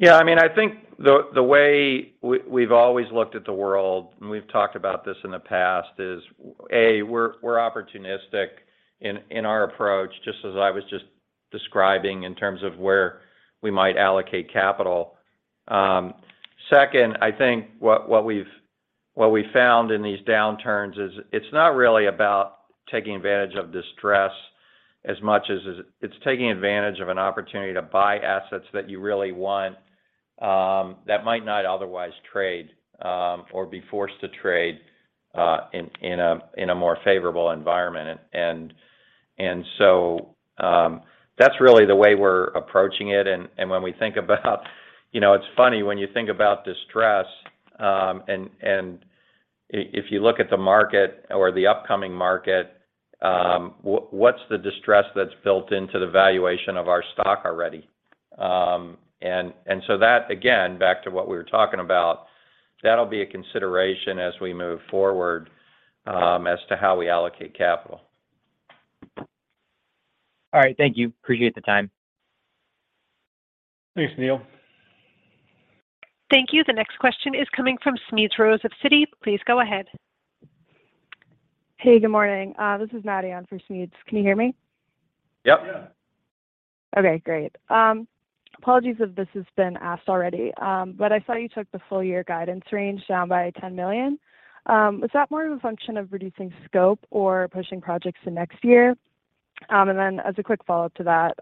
I mean, I think the way we've always looked at the world, and we've talked about this in the past, is we're opportunistic in our approach, just as I was just describing in terms of where we might allocate capital. Second, I think what we've found in these downturns is it's not really about taking advantage of distress as much as it's taking advantage of an opportunity to buy assets that you really want, that might not otherwise trade, or be forced to trade, in a more favorable environment. That's really the way we're approaching it. You know, it's funny when you think about distress, and if you look at the market or the upcoming market, what's the distress that's built into the valuation of our stock already? That, again, back to what we were talking about, that'll be a consideration as we move forward, as to how we allocate capital. All right, thank you. Appreciate the time. Thanks, Neil. Thank you. The next question is coming from Smedes Rose of Citigroup. Please go ahead. Hey, good morning. This is Maddie on for Smedes. Can you hear me? Yep. Yeah. Okay, great. Apologies if this has been asked already. I saw you took the full year guidance range down by $10 million. Was that more of a function of reducing scope or pushing projects to next year? As a quick follow-up to that,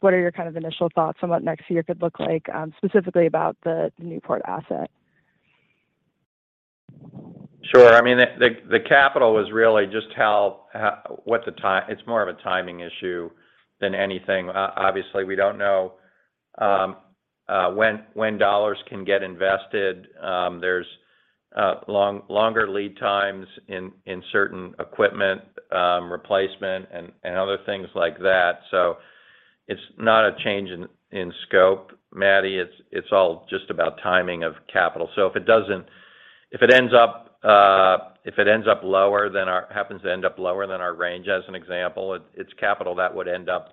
what are your kind of initial thoughts on what next year could look like, specifically about the Newport asset? Sure. I mean, the capital was really just a timing issue than anything. It's more of a timing issue than anything. Obviously, we don't know when dollars can get invested. There's longer lead times in certain equipment replacement and other things like that. It's not a change in scope, Maddie. It's all just about timing of capital. If it happens to end up lower than our range as an example, it's capital that would end up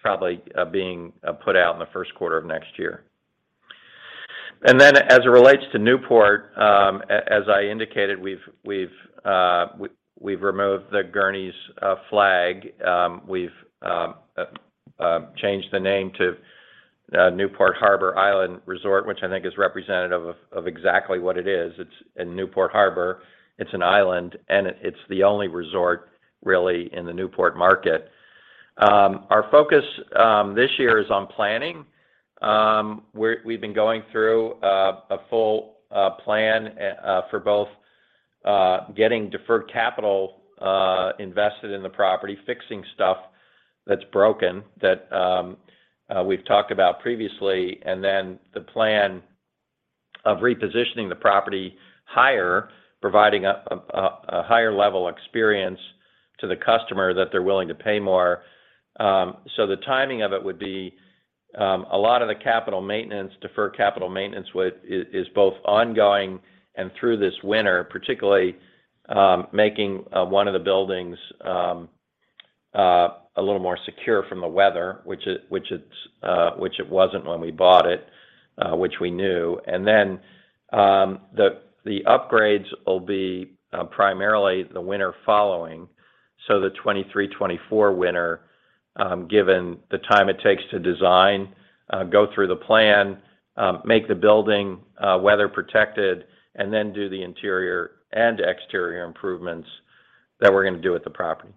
probably being put out in the first quarter of next year. As it relates to Newport, as I indicated, we've removed the Gurney's flag. We've changed the name to Newport Harbor Island Resort, which I think is representative of exactly what it is. It's in Newport Harbor, it's an island, and it's the only resort really in the Newport market. Our focus this year is on planning. We've been going through a full plan for both getting deferred capital invested in the property, fixing stuff that's broken that we've talked about previously, and then the plan of repositioning the property higher, providing a higher level experience to the customer that they're willing to pay more. The timing of it would be a lot of the capital maintenance, deferred capital maintenance, which is both ongoing and through this winter, particularly making one of the buildings a little more secure from the weather, which it wasn't when we bought it, which we knew. The upgrades will be primarily the winter following, so the 2023, 2024 winter, given the time it takes to design, go through the plan, make the building weather protected, and then do the interior and exterior improvements that we're gonna do with the property.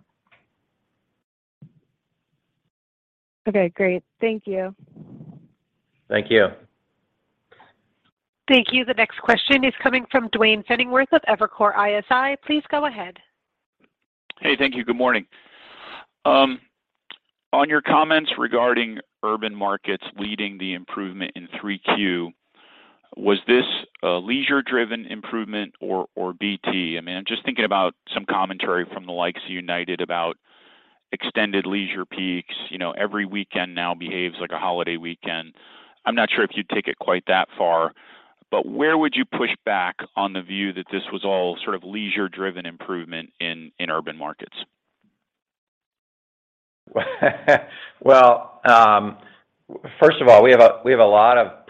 Okay, great. Thank you. Thank you. Thank you. The next question is coming from Duane Pfennigwerth of Evercore ISI. Please go ahead. Hey, thank you. Good morning. On your comments regarding urban markets leading the improvement in 3Q, was this a leisure-driven improvement or BT? I mean, I'm just thinking about some commentary from the likes of United about extended leisure peaks. You know, every weekend now behaves like a holiday weekend. I'm not sure if you'd take it quite that far, but where would you push back on the view that this was all sort of leisure-driven improvement in urban markets? First of all, we have a lot of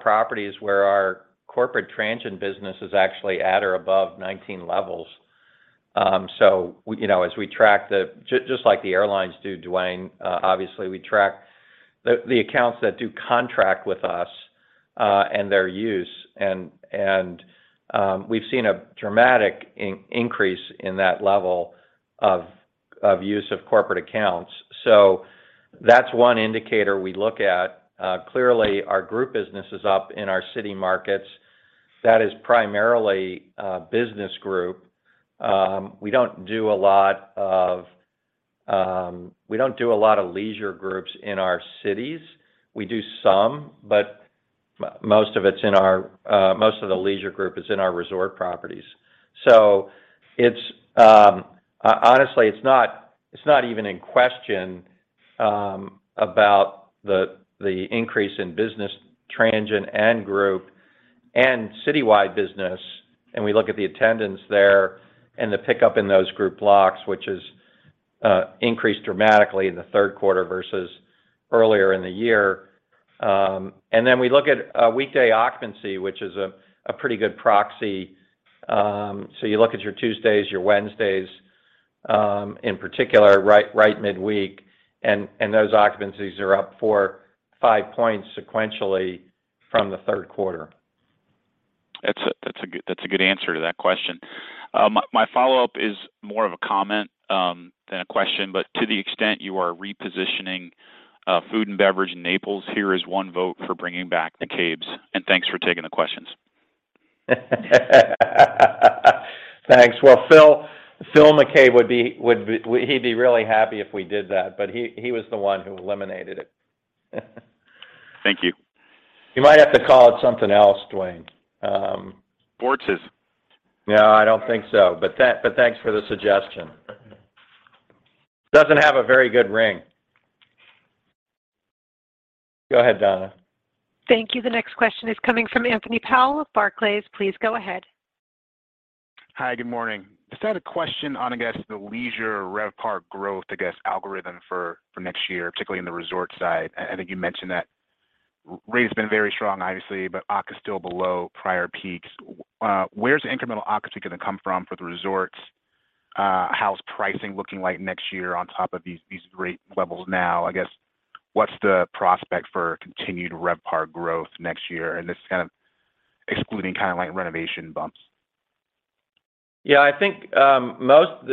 properties where our corporate transient business is actually at or above 19 levels. We, you know, as we track just like the airlines do, Duane, obviously we track the accounts that do contract with us and their use, and we've seen a dramatic increase in that level of use of corporate accounts. That's one indicator we look at. Clearly our group business is up in our city markets. That is primarily a business group. We don't do a lot of leisure groups in our cities. We do some, but most of it's in our resort properties. Honestly, it's not even in question about the increase in business transient and group and citywide business, and we look at the attendance there and the pickup in those group blocks, which has increased dramatically in the third quarter versus earlier in the year. We look at weekday occupancy, which is a pretty good proxy. You look at your Tuesdays, your Wednesdays, in particular, right midweek, and those occupancies are up four, five points sequentially from the third quarter. That's a good answer to that question. My follow-up is more of a comment than a question, but to the extent you are repositioning food and beverage in Naples, here is one vote for bringing back The Cave. Thanks for taking the questions. Thanks. Well, Phil McCabe would be really happy if we did that, but he was the one who eliminated it. Thank you. You might have to call it something else, Duane. Sports's. No, I don't think so, but thanks for the suggestion. Doesn't have a very good ring. Go ahead, Donna. Thank you. The next question is coming from Anthony Powell of Barclays. Please go ahead. Hi, good morning. Just had a question on, I guess, the leisure RevPAR growth, I guess, algorithm for next year, particularly in the resort side. I think you mentioned that rate has been very strong obviously, but OCC is still below prior peaks. Where's the incremental OCC gonna come from for the resorts? How's pricing looking like next year on top of these great levels now? I guess, what's the prospect for continued RevPAR growth next year? This is kind of excluding kind of like renovation bumps. Yeah, I think most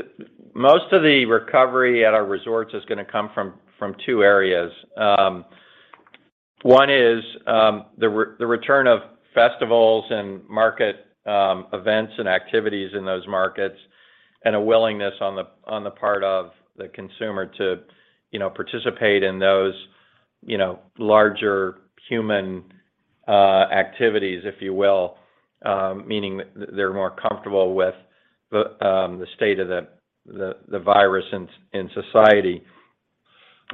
of the recovery at our resorts is gonna come from two areas. One is the return of festivals and market events and activities in those markets, and a willingness on the part of the consumer to, you know, participate in those, you know, larger human activities, if you will. Meaning they're more comfortable with the state of the virus in society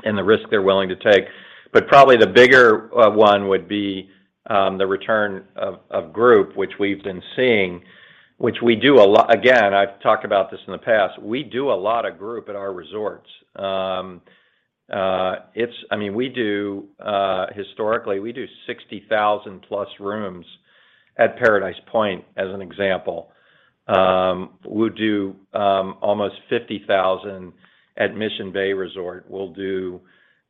and the risk they're willing to take. Probably the bigger one would be the return of group, which we've been seeing, which we do a lot. Again, I've talked about this in the past. We do a lot of group at our resorts. I mean, we do historically 60,000+ rooms at Paradise Point, as an example. We'll do almost 50,000 at Mission Bay Resort. We'll do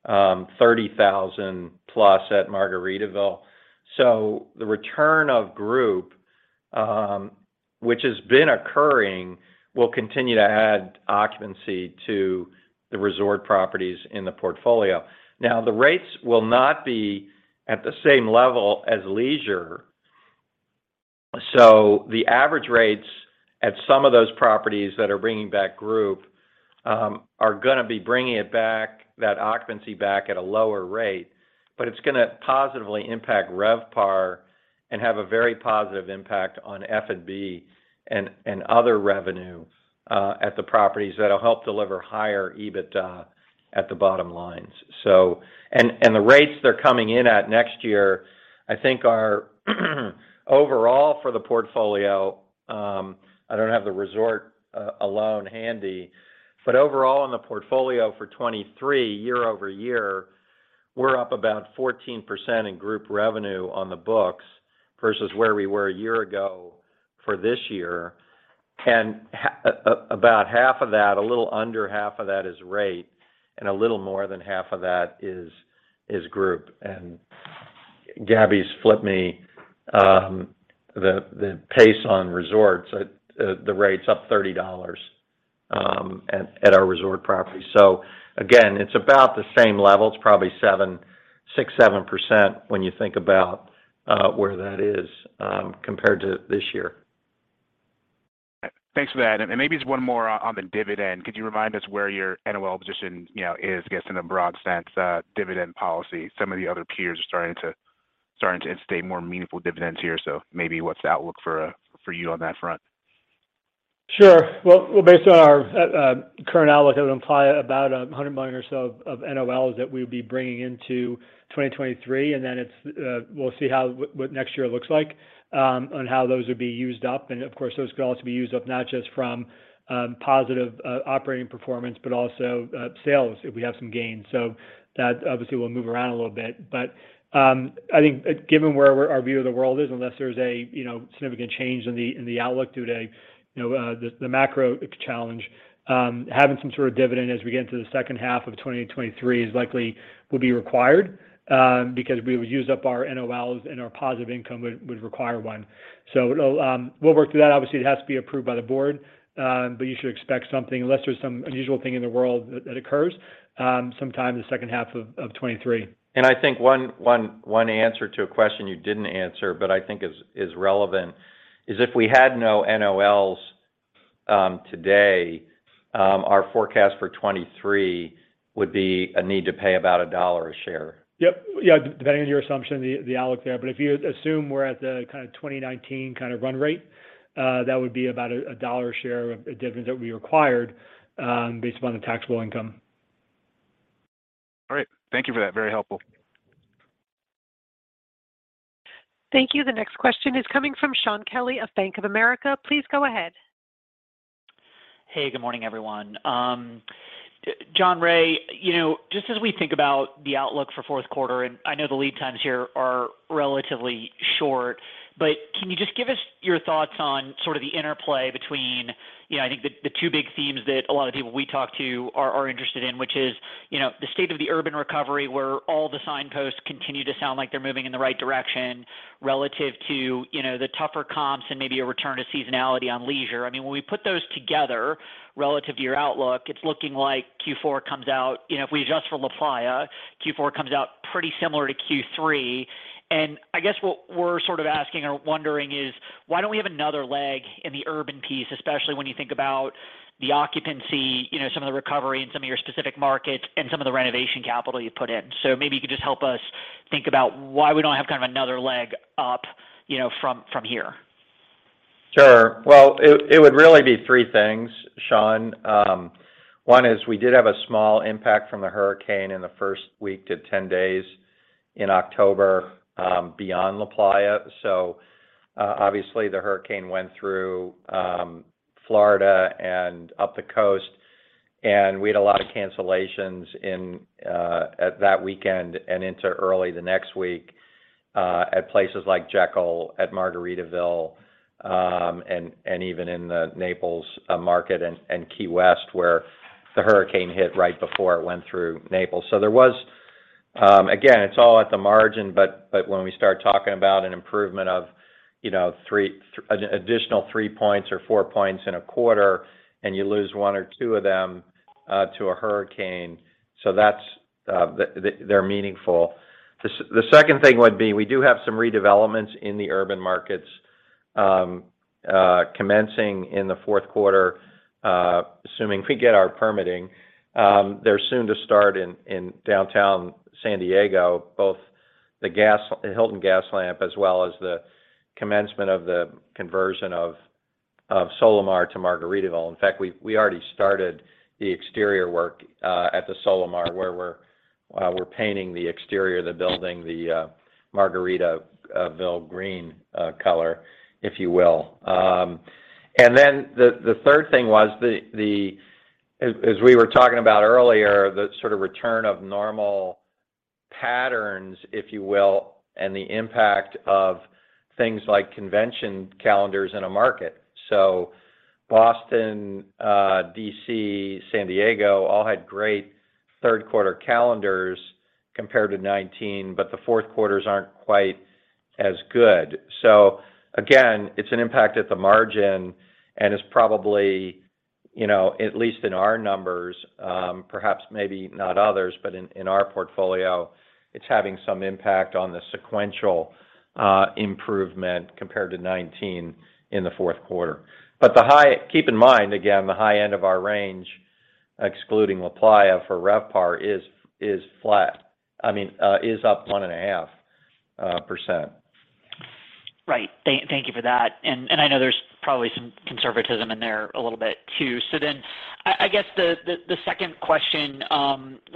30,000+ at Margaritaville. The return of group, which has been occurring, will continue to add occupancy to the resort properties in the portfolio. Now, the rates will not be at the same level as leisure. The average rates at some of those properties that are bringing back group are gonna be bringing it back, that occupancy back at a lower rate, but it's gonna positively impact RevPAR and have a very positive impact on F&B and other revenue at the properties that'll help deliver higher EBITDA at the bottom lines. The rates they're coming in at next year, I think are overall for the portfolio. I don't have the resort alone handy, but overall in the portfolio for 2023, year-over-year, we're up about 14% in group revenue on the books versus where we were a year ago for this year. About half of that, a little under half of that is rate, and a little more than half of that is group. Gabby's flipped me the pace on resorts at the rate's up $30 at our resort property. Again, it's about the same level. It's probably 6%, 7% when you think about where that is compared to this year. Thanks for that. Maybe just one more on the dividend. Could you remind us where your NOL position, you know, is, I guess, in a broad sense, dividend policy? Some of the other peers are starting to instate more meaningful dividends here. Maybe what's the outlook for you on that front? Sure. Well, based on our current outlook, it would imply about $100 million or so of NOLs that we would be bringing into 2023, and then it's we'll see what next year looks like on how those would be used up. Of course, those could also be used up not just from positive operating performance, but also sales, if we have some gains. That obviously will move around a little bit. I think given where our view of the world is, unless there's a you know significant change in the outlook due to you know the macro challenge, having some sort of dividend as we get into the second half of 2023 is likely would be required, because we would use up our NOLs, and our positive income would require one. It'll. We'll work through that. Obviously, it has to be approved by the board, but you should expect something, unless there's some unusual thing in the world that occurs, sometime the second half of 2023. I think one answer to a question you didn't answer, but I think is relevant is if we had no NOLs today, our forecast for 2023 would be a need to pay about $1 a share. Yep. Yeah, depending on your assumption, the outlook there. If you assume we're at the kind of 2019 kind of run rate, that would be about $1 a share of dividend that we required, based upon the taxable income. All right. Thank you for that. Very helpful. Thank you. The next question is coming from Shaun Kelley of Bank of America. Please go ahead. Hey, good morning, everyone. Jon, Ray, you know, just as we think about the outlook for fourth quarter, and I know the lead times here are relatively short, but can you just give us your thoughts on sort of the interplay between, you know, I think the two big themes that a lot of people we talk to are interested in, which is, you know, the state of the urban recovery, where all the signposts continue to sound like they're moving in the right direction relative to, you know, the tougher comps and maybe a return to seasonality on leisure. I mean, when we put those together relative to your outlook, it's looking like Q4 comes out. You know, if we adjust for LaPlaya, Q4 comes out pretty similar to Q3. I guess what we're sort of asking or wondering is: Why don't we have another leg in the urban piece, especially when you think about the occupancy, you know, some of the recovery in some of your specific markets and some of the renovation capital you put in? Maybe you could just help us think about why we don't have kind of another leg up, you know, from here. Sure. Well, it would really be three things, Shaun. One is we did have a small impact from the hurricane in the first week to 10 days in October, beyond LaPlaya. Obviously the hurricane went through Florida and up the coast, and we had a lot of cancellations in that weekend and into early the next week at places like Jekyll, at Margaritaville, and even in the Naples market and Key West, where the hurricane hit right before it went through Naples. There was. Again, it is all at the margin, but when we start talking about an improvement of, you know, three, an additional three points or four points in a quarter, and you lose one or two of them to a hurricane, so that is they are meaningful. The second thing would be, we do have some redevelopments in the urban markets, commencing in the fourth quarter, assuming we get our permitting. They're soon to start in downtown San Diego, both the Hilton Gaslamp, as well as the commencement of the conversion of Solamar to Margaritaville. In fact, we already started the exterior work at the Solamar, where we're painting the exterior of the building the Margaritaville green color, if you will. The third thing was, as we were talking about earlier, the sort of return of normal patterns, if you will, and the impact of things like convention calendars in a market. Boston, D.C., San Diego, all had great third-quarter calendars compared to 2019, but the fourth quarters aren't quite as good. Again, it's an impact at the margin, and it's probably, you know, at least in our numbers, perhaps maybe not others, but in our portfolio, it's having some impact on the sequential improvement compared to 2019 in the fourth quarter. Keep in mind, again, the high end of our range, excluding LaPlaya for RevPAR is flat. I mean, is up 1.5%. Right. Thank you for that. I know there's probably some conservatism in there a little bit too. I guess the second question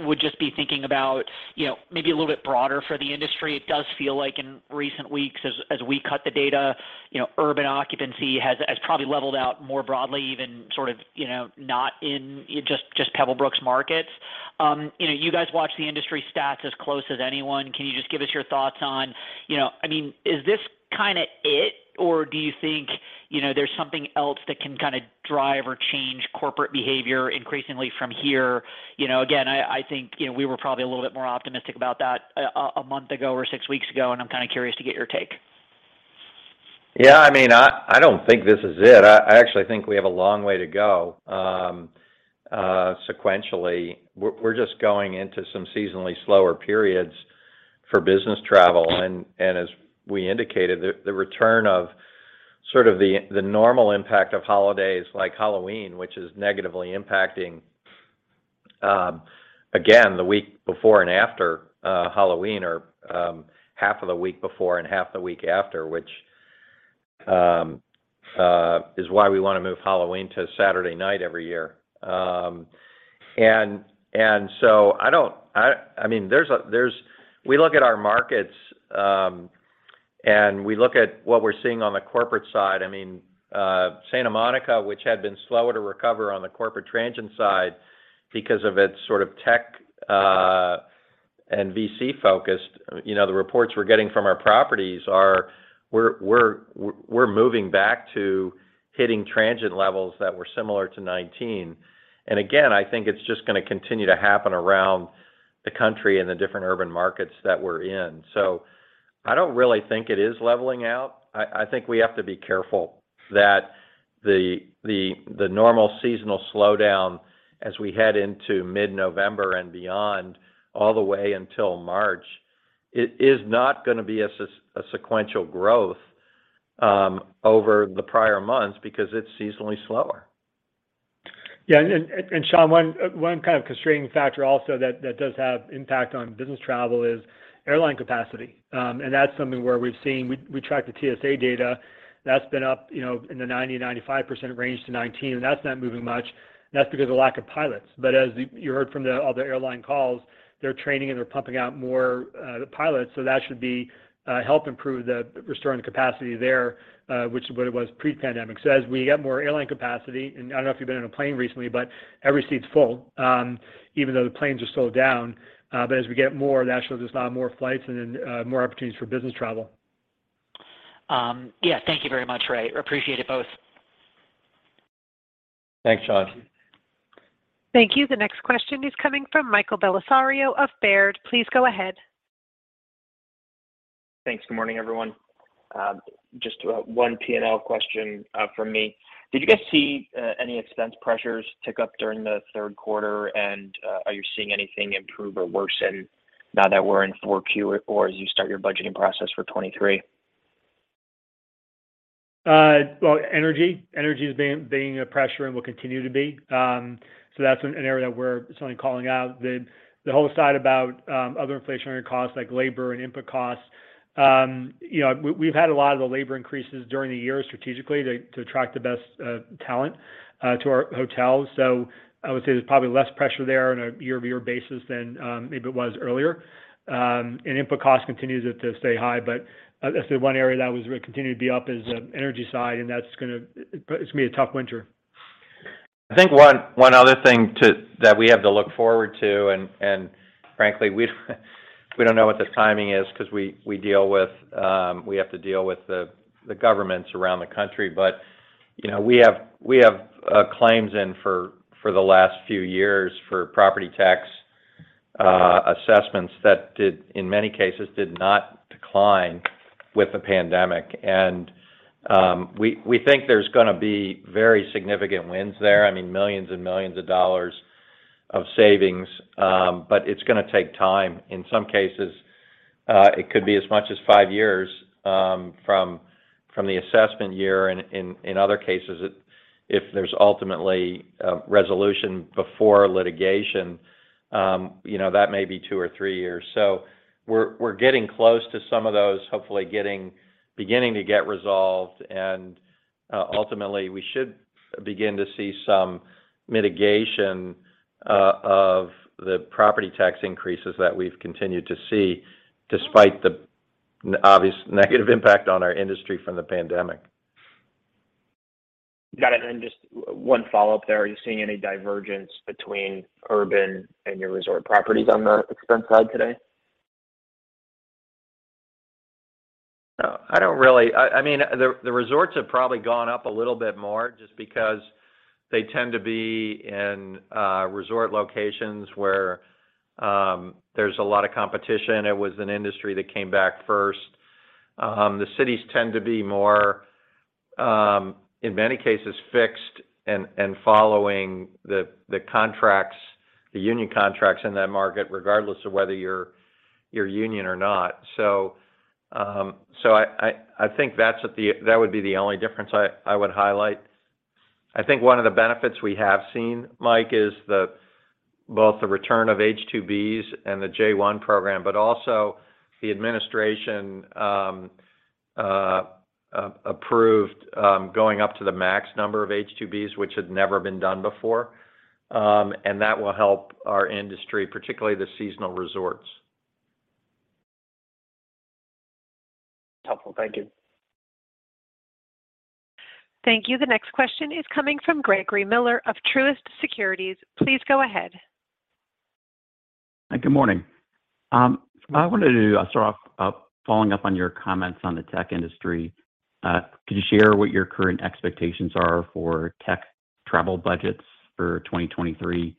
would just be thinking about, you know, maybe a little bit broader for the industry. It does feel like in recent weeks as we cut the data, you know, urban occupancy has probably leveled out more broadly, even sort of, you know, not in just Pebblebrook's markets. You know, you guys watch the industry stats as close as anyone. Can you just give us your thoughts on, you know, I mean, is this kind of it, or do you think, you know, there's something else that can kind of drive or change corporate behavior increasingly from here? You know, again, I think, you know, we were probably a little bit more optimistic about that a month ago or six weeks ago, and I'm kind of curious to get your take. Yeah, I mean, I don't think this is it. I actually think we have a long way to go sequentially. We're just going into some seasonally slower periods for business travel. As we indicated, the return of sort of the normal impact of holidays like Halloween, which is negatively impacting again, the week before and after Halloween or half of the week before and half the week after, which is why we want to move Halloween to Saturday night every year. I mean, there's a. We look at our markets and we look at what we're seeing on the corporate side. I mean, Santa Monica, which had been slower to recover on the corporate transient side because of its sort of tech and VC focus. You know, the reports we're getting from our properties are that we're moving back to hitting transient levels that were similar to 2019. Again, I think it's just going to continue to happen around the country and the different urban markets that we're in. I don't really think it is leveling out. I think we have to be careful that the normal seasonal slowdown as we head into mid-November and beyond all the way until March, it is not going to be a sequential growth over the prior months because it's seasonally slower. Yeah. Shaun, one kind of constraining factor also that does have impact on business travel is airline capacity. That's something where we track the TSA data. That's been up, you know, in the 90%-95% range to 2019, and that's not moving much. That's because of the lack of pilots. But as you heard from the other airline calls, they're training and they're pumping out more pilots. So that should help improve the restoring capacity there, which is what it was pre-pandemic. As we get more airline capacity, and I don't know if you've been on a plane recently, but every seat's full, even though the planes are slowed down. As we get more, naturally there's a lot more flights and then more opportunities for business travel. Yeah, thank you very much, Ray. Appreciate it both. Thanks, Shaun. Thank you. The next question is coming from Michael Bellisario of Baird. Please go ahead. Thanks. Good morning, everyone. Just one P&L question from me. Did you guys see any expense pressures tick up during the third quarter? Are you seeing anything improve or worsen now that we're in Q4 or as you start your budgeting process for 2023? Well, energy. Energy is being a pressure and will continue to be. So that's an area that we're certainly calling out. The whole side about other inflationary costs like labor and input costs, you know, we've had a lot of the labor increases during the year strategically to attract the best talent to our hotels. So I would say there's probably less pressure there on a year-over-year basis than maybe it was earlier. Input cost continues to stay high, but that's the one area that was going to continue to be up is the energy side, and that's gonna be a tough winter. I think one other thing that we have to look forward to, and frankly, we don't know what the timing is because we have to deal with the governments around the country. You know, we have claims in for the last few years for property tax assessments that did, in many cases, not decline with the pandemic. We think there's gonna be very significant wins there. I mean, millions and millions of dollars of savings. It's gonna take time. In some cases, it could be as much as five years from the assessment year. In other cases, if there's ultimately a resolution before litigation, you know, that may be two or three years. We're getting close to some of those, hopefully beginning to get resolved. Ultimately, we should begin to see some mitigation of the property tax increases that we've continued to see despite the obvious negative impact on our industry from the pandemic. Got it. Just one follow-up there. Are you seeing any divergence between urban and your resort properties on the expense side today? No, I don't really. I mean, the resorts have probably gone up a little bit more just because they tend to be in resort locations where there's a lot of competition. It was an industry that came back first. The cities tend to be more fixed, in many cases, and following the contracts, the union contracts in that market, regardless of whether you're union or not. I think that would be the only difference I would highlight. I think one of the benefits we have seen, Mike, is both the return of H-2Bs and the J-1 program, but also the administration approved going up to the max number of H-2Bs, which had never been done before. That will help our industry, particularly the seasonal resorts. Helpful. Thank you. Thank you. The next question is coming from Gregory Miller of Truist Securities. Please go ahead. Hi, good morning. I wanted to start off following up on your comments on the tech industry. Could you share what your current expectations are for tech travel budgets for 2023,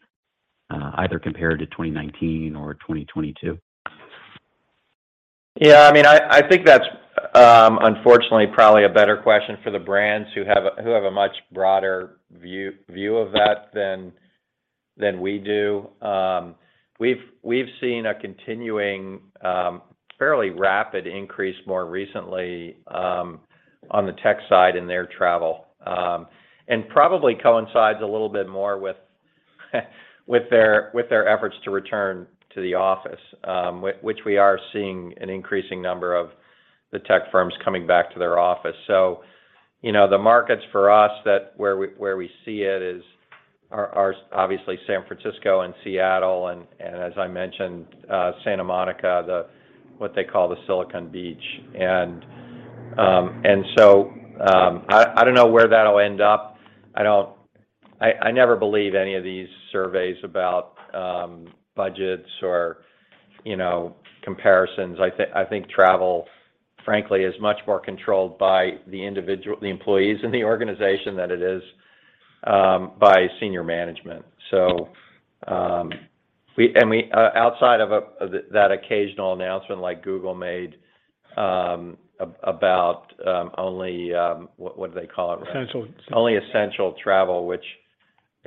either compared to 2019 or 2022? Yeah, I mean, I think that's unfortunately probably a better question for the brands who have a much broader view of that than we do. We've seen a continuing fairly rapid increase more recently on the tech side in their travel. And probably coincides a little bit more with their efforts to return to the office, which we are seeing an increasing number of the tech firms coming back to their office. You know, the markets for us where we see it are obviously San Francisco and Seattle, and as I mentioned, Santa Monica, what they call the Silicon Beach. I don't know where that'll end up. I never believe any of these surveys about budgets or, you know, comparisons. I think travel, frankly, is much more controlled by the individual employees in the organization than it is by senior management. Outside of that occasional announcement like Google made about only what do they call it? Ray. Essential. Only essential travel, which,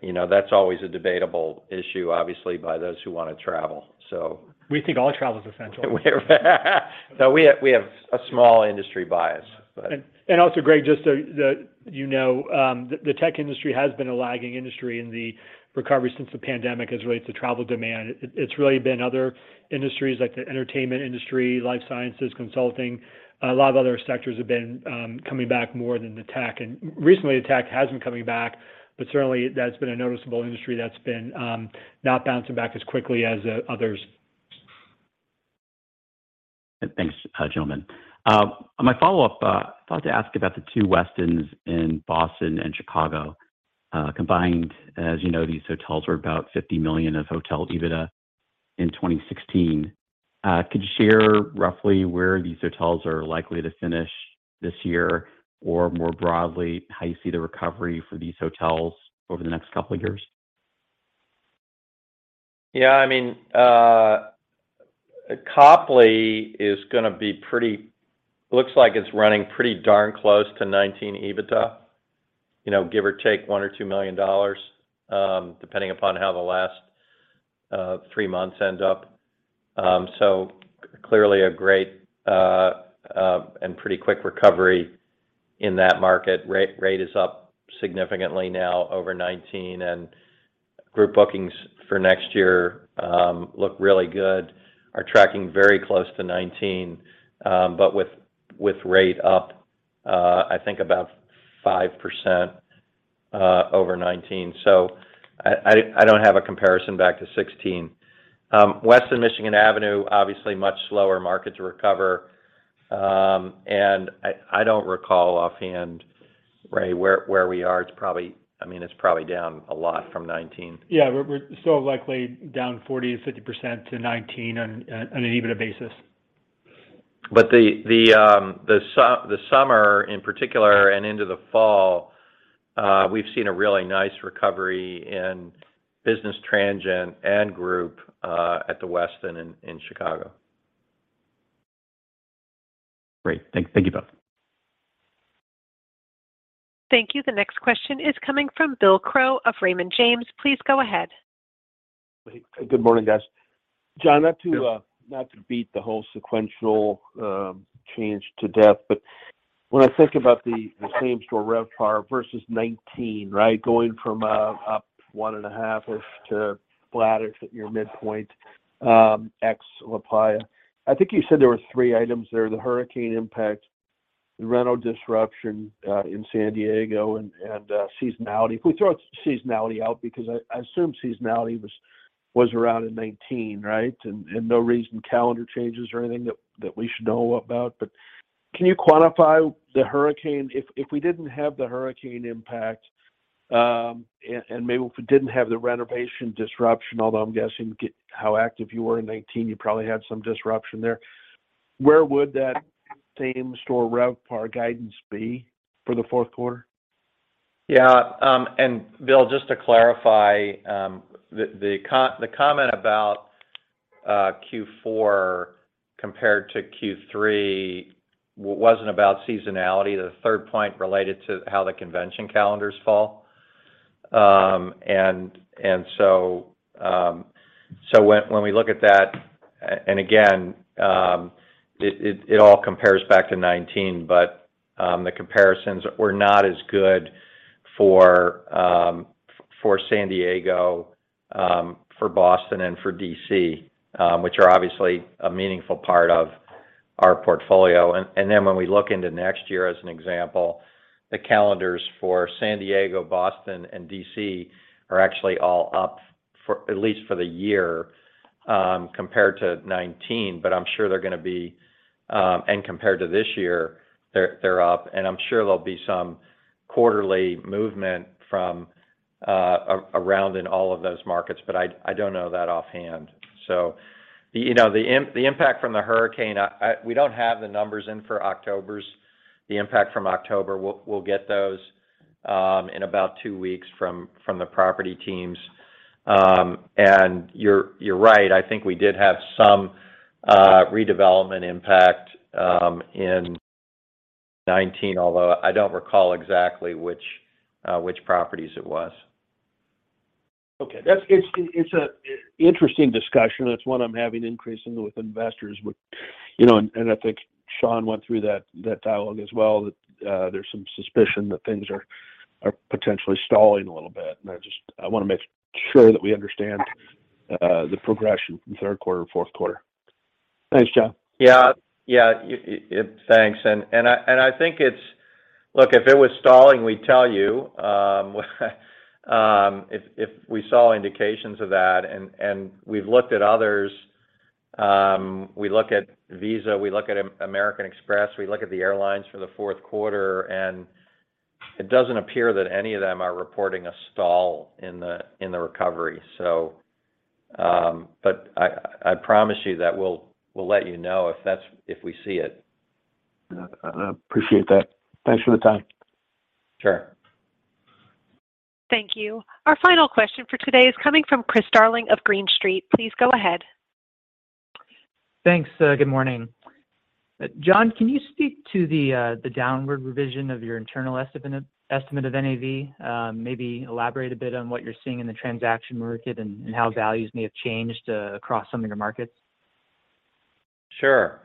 you know, that's always a debatable issue, obviously, by those who wanna travel, so. We think all travel is essential. We have a small industry bias, but. Also, Greg, just so that you know, the tech industry has been a lagging industry, and the recovery since the pandemic is really it's a travel demand. It's really been other industries like the entertainment industry, life sciences, consulting. A lot of other sectors have been coming back more than the tech. Recently the tech has been coming back, but certainly that's been a noticeable industry that's been not bouncing back as quickly as others. Thanks, gentlemen. My follow-up, I thought to ask about the two Westins in Boston and Chicago. Combined, as you know, these hotels were about $50 million of hotel EBITDA in 2016. Could you share roughly where these hotels are likely to finish this year, or more broadly, how you see the recovery for these hotels over the next couple of years? I mean, Copley is gonna be pretty. Looks like it's running pretty darn close to 2019 EBITDA, you know, give or take $1 million or $2 million, depending upon how the last three months end up. Clearly a great and pretty quick recovery in that market. Rate is up significantly now over 2019, and group bookings for next year look really good, are tracking very close to 2019, but with rate up, I think about 5% over 2019. I don't have a comparison back to 2016. Westin Michigan Avenue, obviously much slower market to recover. I don't recall offhand, Ray, where we are. It's probably, I mean, it's probably down a lot from 2019. Yeah. We're still likely down 40%-50% to 2019 on an EBITDA basis. The summer, in particular, and into the fall, we've seen a really nice recovery in business transient and group, at the Westin in Chicago. Great. Thank you both. Thank you. The next question is coming from Bill Crow of Raymond James. Please go ahead. Good morning, guys. Jon, Yeah. Not to beat the whole sequential change to death, but when I think about the same-store RevPAR versus 2019, right? Going from up 1.5-ish to flat at your midpoint, ex-LaPlaya. I think you said there were three items there, the hurricane impact, the reno disruption in San Diego and seasonality. If we throw seasonality out, because I assume seasonality was around in 2019, right? No reason calendar changes or anything that we should know about. Can you quantify the hurricane? If we didn't have the hurricane impact and maybe if we didn't have the renovation disruption, although I'm guessing how active you were in 2019, you probably had some disruption there. Where would that same-store RevPAR guidance be for the fourth quarter? Yeah. Bill, just to clarify, the comment about Q4 compared to Q3 wasn't about seasonality. The third point related to how the convention calendars fall. When we look at that, and again, it all compares back to 2019, but the comparisons were not as good for San Diego, for Boston, and for D.C., which are obviously a meaningful part of our portfolio. When we look into next year as an example, the calendars for San Diego, Boston, and D.C. are actually all up for at least for the year, compared to 2019. I'm sure they're gonna be, and compared to this year, they're up, and I'm sure there'll be some quarterly movement from around in all of those markets, but I don't know that offhand. You know, the impact from the hurricane, we don't have the numbers in for October, the impact from October. We'll get those in about two weeks from the property teams. You're right. I think we did have some redevelopment impact in 2019, although I don't recall exactly which properties it was. Okay. It's an interesting discussion. It's one I'm having increasingly with investors, and I think Shaun went through that dialogue as well, that there's some suspicion that things are potentially stalling a little bit. I just, I wanna make sure that we understand the progression from third quarter to fourth quarter. Thanks, Jon. Yes. Thanks. I think it's. Look, if it was stalling, we'd tell you if we saw indications of that. We've looked at others. We look at Visa, we look at American Express, we look at the airlines for the fourth quarter, and it doesn't appear that any of them are reporting a stall in the recovery. But I promise you that we'll let you know if we see it. Yeah. I appreciate that. Thanks for the time. Sure. Thank you. Our final question for today is coming from Chris Darling of Green Street. Please go ahead. Thanks. Good morning. Jon, can you speak to the downward revision of your internal estimate of NAV? Maybe elaborate a bit on what you're seeing in the transaction market and how values may have changed across some of your markets. Sure.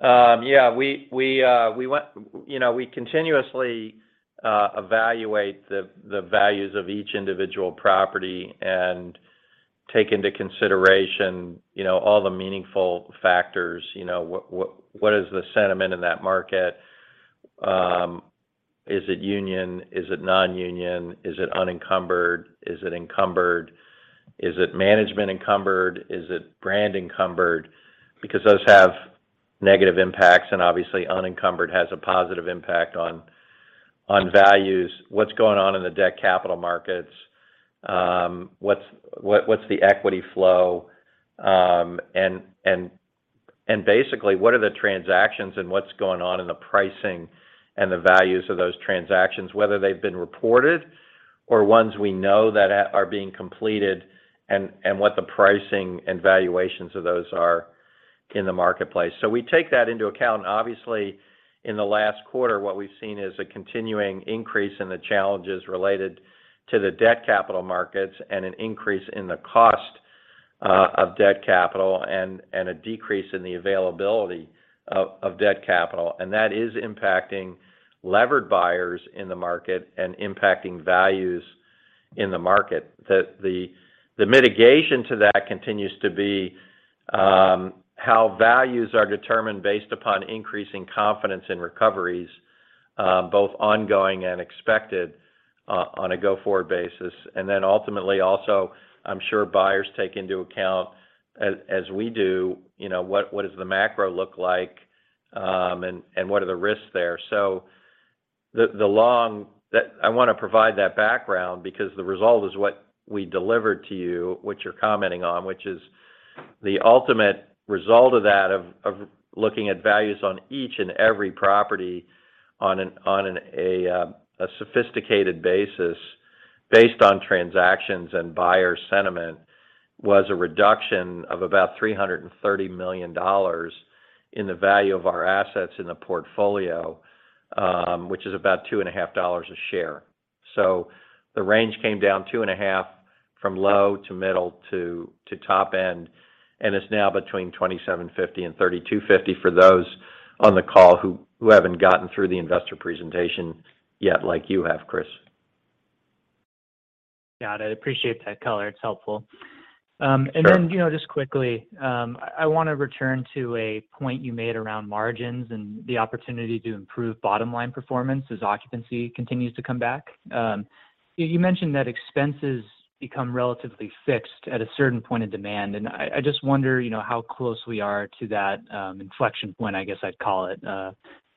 Yeah. You know, we continuously evaluate the values of each individual property and take into consideration, you know, all the meaningful factors. You know, what is the sentiment in that market? Is it union? Is it non-union? Is it unencumbered? Is it encumbered? Is it management encumbered? Is it brand encumbered? Because those have negative impacts, and obviously unencumbered has a positive impact on values. What's going on in the debt capital markets? What's the equity flow? And basically, what are the transactions and what's going on in the pricing and the values of those transactions, whether they've been reported or ones we know that are being completed and what the pricing and valuations of those are in the marketplace. We take that into account. Obviously, in the last quarter, what we've seen is a continuing increase in the challenges related to the debt capital markets and an increase in the cost of debt capital and a decrease in the availability of debt capital. That is impacting levered buyers in the market and impacting values in the market. The mitigation to that continues to be how values are determined based upon increasing confidence in recoveries, both ongoing and expected, on a go-forward basis. Then ultimately also, I'm sure buyers take into account as we do, you know, what does the macro look like, and what are the risks there. The long... I wanna provide that background because the result is what we delivered to you, what you're commenting on, which is the ultimate result of that, of looking at values on each and every property on a sophisticated basis based on transactions and buyer sentiment, was a reduction of about $330 million in the value of our assets in the portfolio, which is about $2.50 a share. The range came down $2.50 from low to middle to top end, and it's now between $27.50-$32.50 for those on the call who haven't gotten through the investor presentation yet like you have, Chris. Got it. Appreciate that color. It's helpful. Sure. You know, just quickly, I wanna return to a point you made around margins and the opportunity to improve bottom line performance as occupancy continues to come back. You mentioned that expenses become relatively fixed at a certain point of demand, and I just wonder, you know, how close we are to that inflection point, I guess I'd call it.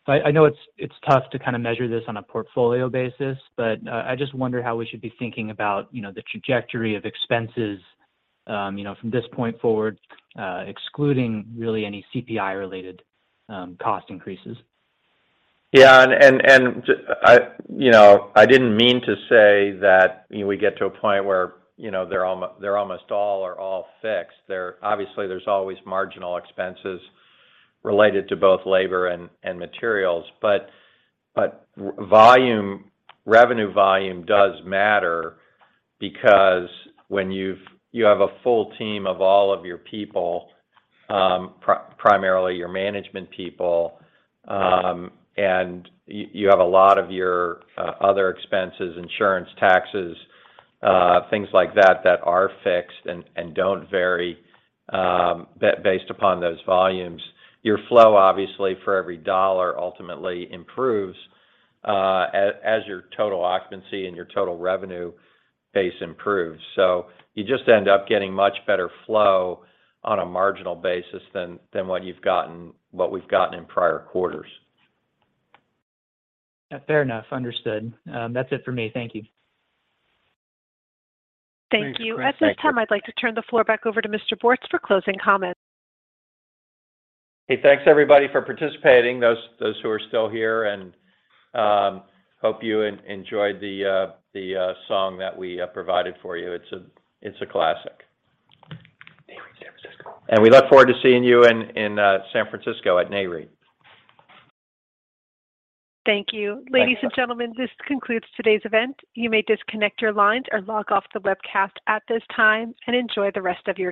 I know it's tough to kind of measure this on a portfolio basis, but I just wonder how we should be thinking about, you know, the trajectory of expenses, you know, from this point forward, excluding really any CPI-related cost increases. Yeah. I you know I didn't mean to say that, you know, we get to a point where, you know, they're almost all or all fixed. Obviously, there's always marginal expenses related to both labor and materials. Volume, revenue volume does matter because when you have a full team of all of your people, primarily your management people, and you have a lot of your other expenses, insurance, taxes, things like that are fixed and don't vary based upon those volumes, your flow obviously for every dollar ultimately improves as your total occupancy and your total revenue base improves. You just end up getting much better flow on a marginal basis than what we've gotten in prior quarters. Fair enough. Understood. That's it for me. Thank you. Thanks, Chris. Thank you. At this time, I'd like to turn the floor back over to Mr. Bortz for closing comments. Hey, thanks everybody for participating, those who are still here, and hope you enjoyed the song that we provided for you. It's a classic. Nareit, San Francisco. We look forward to seeing you in San Francisco at Nareit. Thank you. Ladies and gentlemen, this concludes today's event. You may disconnect your lines or log off the webcast at this time, and enjoy the rest of your day.